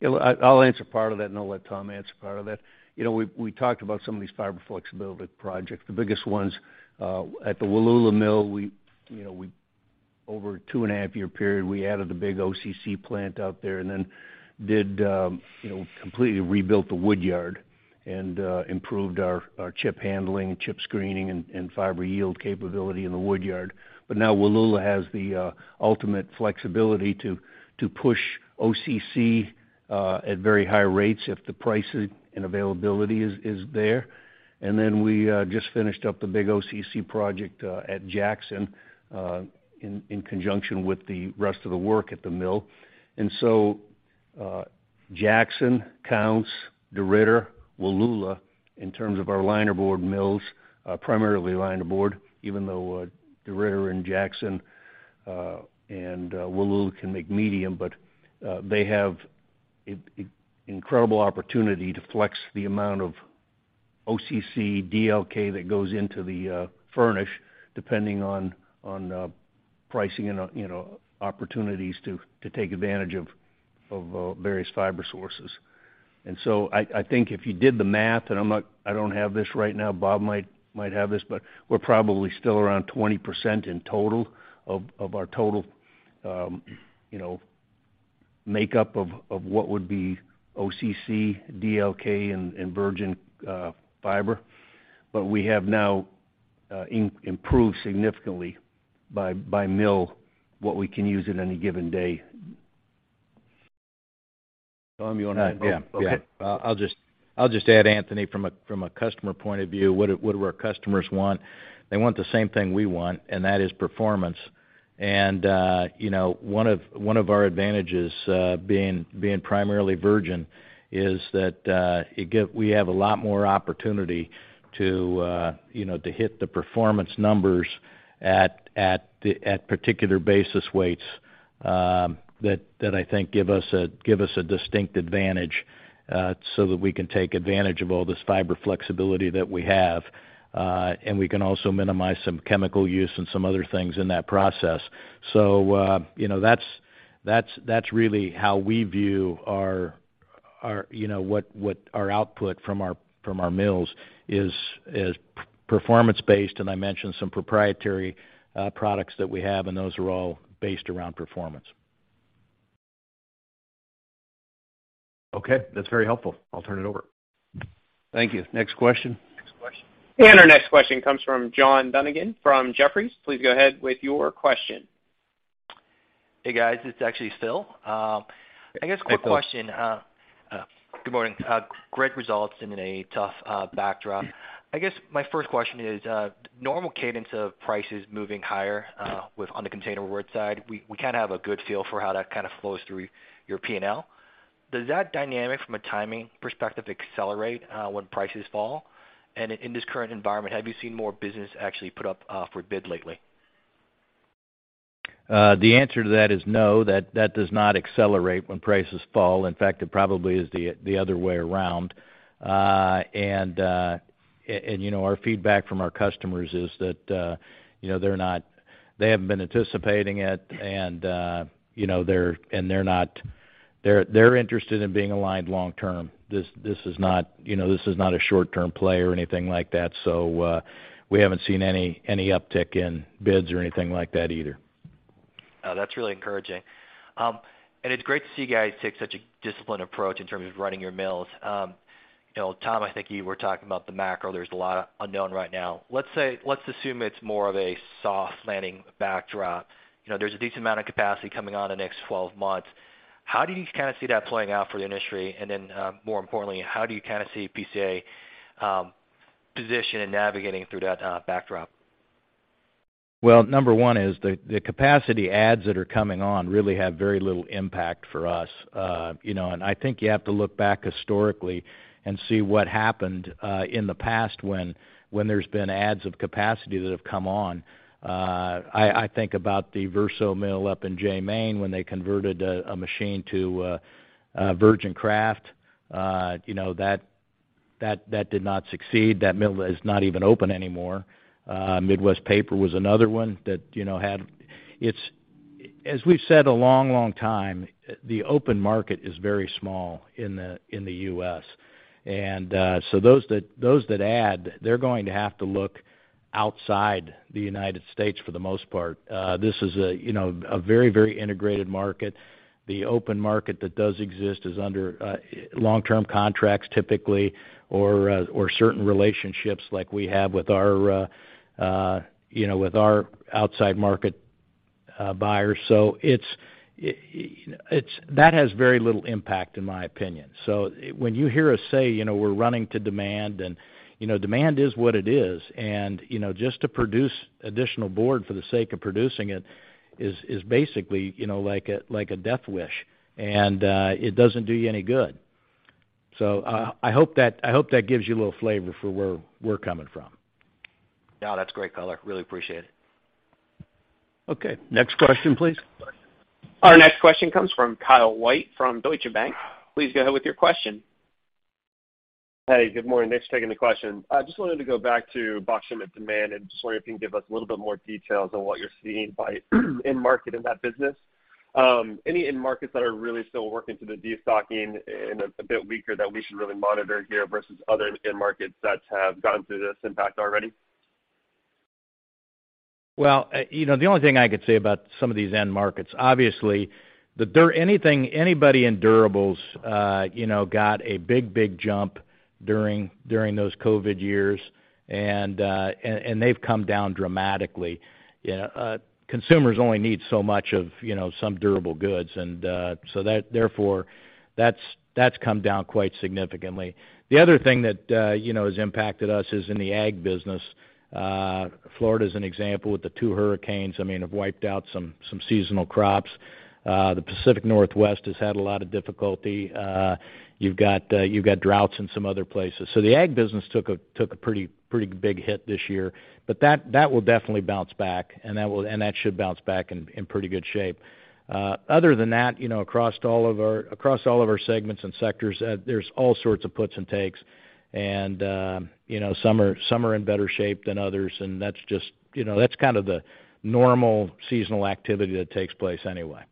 Yeah, I'll answer part of that and I'll let Tom answer part of that. You know, we talked about some of these fiber flexibility projects. The biggest ones at the Wallula mill, we, you know, over a 2.5 year period, we added a big OCC plant out there and then did, you know, completely rebuilt the wood yard and improved our chip handling, chip screening and fiber yield capability in the wood yard. Now Wallula has the ultimate flexibility to push OCC at very high rates if the pricing and availability is there. Then we just finished up the big OCC project at Jackson in conjunction with the rest of the work at the mill. Jackson, Counce, DeRidder, Wallula, in terms of our linerboard mills, primarily linerboard, even though DeRidder and Jackson and Wallula can make medium, they have incredible opportunity to flex the amount of OCC, DLK that goes into the furnish depending on pricing and, you know, opportunities to take advantage of various fiber sources. I think if you did the math, I don't have this right now, Bob might have this, we're probably still around 20% in total of our total, you know, makeup of what would be OCC, DLK and virgin fiber. We have now improved significantly by mill what we can use at any given day. Tom, you wanna add? Yeah. Okay. I'll just add, Anthony, from a customer point of view, what do our customers want? They want the same thing we want, and that is performance. You know, one of our advantages, being primarily virgin is that we have a lot more opportunity to, you know, to hit the performance numbers at the particular basis weights, that I think give us a distinct advantage, so that we can take advantage of all this fiber flexibility that we have. We can also minimize some chemical use and some other things in that process. You know, that's really how we view our, you know, what our output from our mills is performance based, and I mentioned some proprietary products that we have, and those are all based around performance. Okay. That's very helpful. I'll turn it over. Thank you. Next question. Next question. Our next question comes from Philip Ng from Jefferies. Please go ahead with your question. Hey, guys, it's actually Phil. I guess quick question. Good morning. Great results in a tough backdrop. I guess my first question is, normal cadence of prices moving higher, with on the containerboard side, we kind of have a good feel for how that kind of flows through your P&L. Does that dynamic from a timing perspective accelerate when prices fall? In this current environment, have you seen more business actually put up for bid lately? The answer to that is no, that does not accelerate when prices fall. In fact, it probably is the other way around. You know, our feedback from our customers is that, you know, they haven't been anticipating it and, you know, they're interested in being aligned long term. This is not, you know, this is not a short-term play or anything like that. We haven't seen any uptick in bids or anything like that either. Oh, that's really encouraging. It's great to see you guys take such a disciplined approach in terms of running your mills. You know, Tom, I think you were talking about the macro. There's a lot unknown right now. Let's say, let's assume it's more of a soft landing backdrop. You know, there's a decent amount of capacity coming on in the next 12 months. How do you kind of see that playing out for the industry? More importantly, how do you kind of see PCA, position and navigating through that, backdrop? Number one is the capacity adds that are coming on really have very little impact for us. You know, and I think you have to look back historically and see what happened in the past when there's been adds of capacity that have come on. I think about the Verso mill up in Jay, Maine, when they converted a machine to virgin kraft. You know, that did not succeed. That mill is not even open anymore. Midwest Paper was another one that, you know, had as we've said a long, long time, the open market is very small in the U.S. Those that add, they're going to have to look outside the United States for the most part. This is a, you know, a very, very integrated market. The open market that does exist is under long-term contracts typically, or certain relationships like we have with our, you know, with our outside market buyers. That has very little impact in my opinion. When you hear us say, you know, we're running to demand and, you know, demand is what it is, and, you know, just to produce additional board for the sake of producing it is basically, you know, like a, like a death wish, and it doesn't do you any good. I hope that gives you a little flavor for where we're coming from. No, that's great color. Really appreciate it. Okay. Next question, please. Our next question comes from Kyle White from Deutsche Bank. Please go ahead with your question. Hey, good morning. Thanks for taking the question. I just wanted to go back to box shipment demand, and just wondering if you can give us a little bit more details on what you're seeing by end market in that business. Any end markets that are really still working through the de-stocking and a bit weaker that we should really monitor here versus other end markets that have gotten through this impact already? You know, the only thing I could say about some of these end markets, obviously anybody in durables, you know, got a big jump during those COVID years, and they've come down dramatically. You know, consumers only need so much of, you know, some durable goods and, therefore, that's come down quite significantly. The other thing that, you know, has impacted us is in the ag business. Florida's an example with the two hurricanes, I mean, have wiped out some seasonal crops. The Pacific Northwest has had a lot of difficulty. You've got droughts in some other places. The ag business took a pretty big hit this year, but that will definitely bounce back, and that should bounce back in pretty good shape. Other than that, you know, across all of our segments and sectors, there's all sorts of puts and takes and, you know, some are in better shape than others, and that's just, you know, that's kind of the normal seasonal activity that takes place anyway.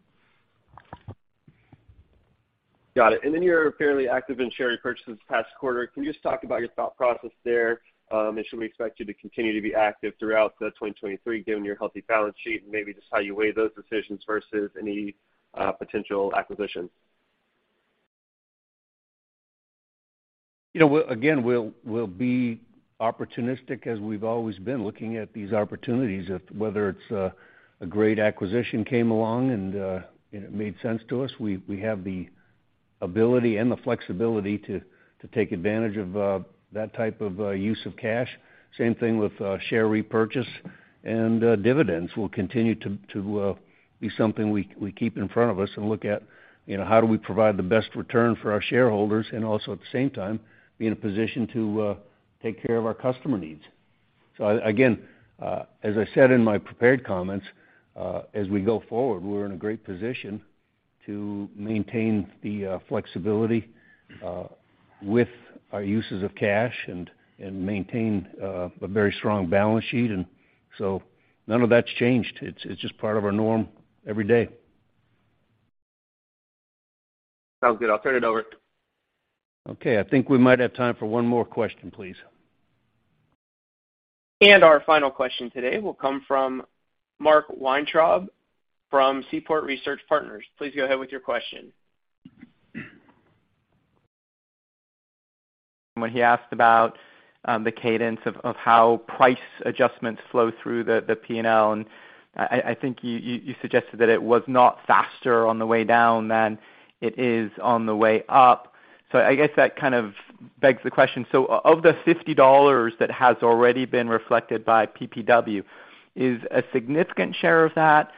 Got it. Then you're fairly active in share repurchase this past quarter. Can you just talk about your thought process there? Should we expect you to continue to be active throughout 2023, given your healthy balance sheet, and maybe just how you weigh those decisions versus any potential acquisitions? You know, we again, we'll be opportunistic as we've always been looking at these opportunities. If whether it's a great acquisition came along and it made sense to us, we have the ability and the flexibility to take advantage of that type of use of cash. Same thing with share repurchase and dividends will continue to be something we keep in front of us and look at, you know, how do we provide the best return for our shareholders and also at the same time be in a position to take care of our customer needs. Again, as I said in my prepared comments, as we go forward, we're in a great position to maintain the flexibility, with our uses of cash and maintain a very strong balance sheet and so none of that's changed. It's just part of our norm every day. Sounds good. I'll turn it over. Okay. I think we might have time for one more question, please. Our final question today will come from Mark Weintraub from Seaport Research Partners. Please go ahead with your question. When he asked about the cadence of how price adjustments flow through the P&L, I think you suggested that it was not faster on the way down than it is on the way up. I guess that kind of begs the question: Of the $50 that has already been reflected by PPW, is a significant share of that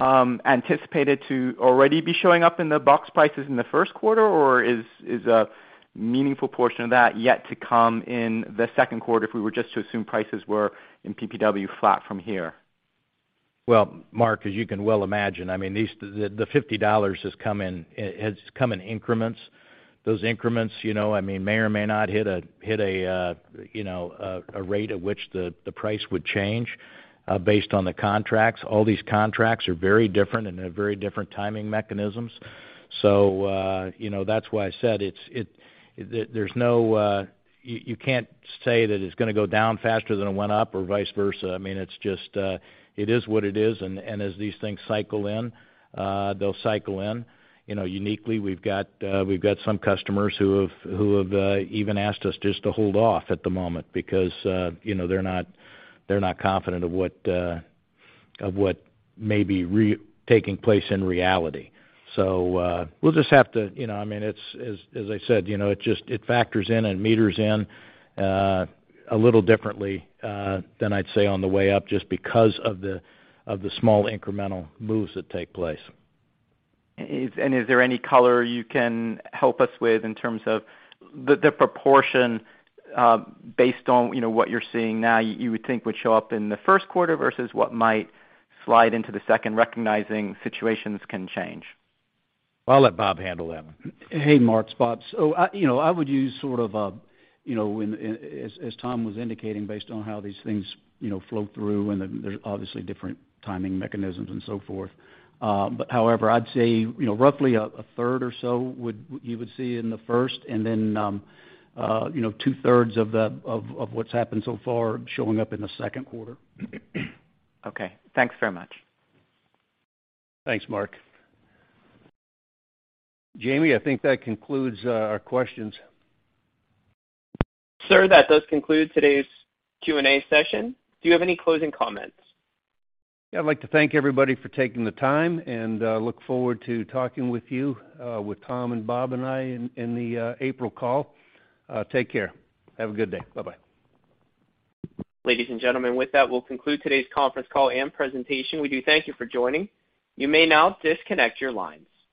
anticipated to already be showing up in the box prices in the first quarter? Is a meaningful portion of that yet to come in the second quarter if we were just to assume prices were in PPW flat from here? Well, Mark, as you can well imagine, I mean, these, the $50 has come in, it has come in increments. Those increments, you know, I mean, may or may not hit a, you know, a rate at which the price would change, based on the contracts. All these contracts are very different and have very different timing mechanisms. You know, that's why I said it's, there's no, you can't say that it's gonna go down faster than it went up or vice versa. I mean, it's just, it is what it is. As these things cycle in, they'll cycle in. You know, uniquely, we've got, we've got some customers who have, who have, even asked us just to hold off at the moment because, you know, they're not, they're not confident of what, of what may be taking place in reality. We'll just have to, you know, I mean, it's as I said, you know, it just, it factors in and meters in, a little differently, than I'd say on the way up just because of the, of the small incremental moves that take place. Is there any color you can help us with in terms of the proportion, based on, you know, what you're seeing now, you would think would show up in the first quarter versus what might slide into the second, recognizing situations can change? I'll let Bob handle that one. Mark, it's Bob. I, you know, I would use sort of a, you know, in, as Tom was indicating, based on how these things, you know, flow through, and then there's obviously different timing mechanisms and so forth. However, I'd say, you know, roughly a third or so you would see in the first and then, you know, two-thirds of what's happened so far showing up in the second quarter. Okay. Thanks very much. Thanks, Mark. Jamie, I think that concludes our questions. Sir, that does conclude today's Q&A session. Do you have any closing comments? Yeah. I'd like to thank everybody for taking the time, and look forward to talking with you, with Tom and Bob and I in the April call. Take care. Have a good day. Bye-bye. Ladies and gentlemen, with that, we'll conclude today's conference call and presentation. We do thank you for joining. You may now disconnect your lines.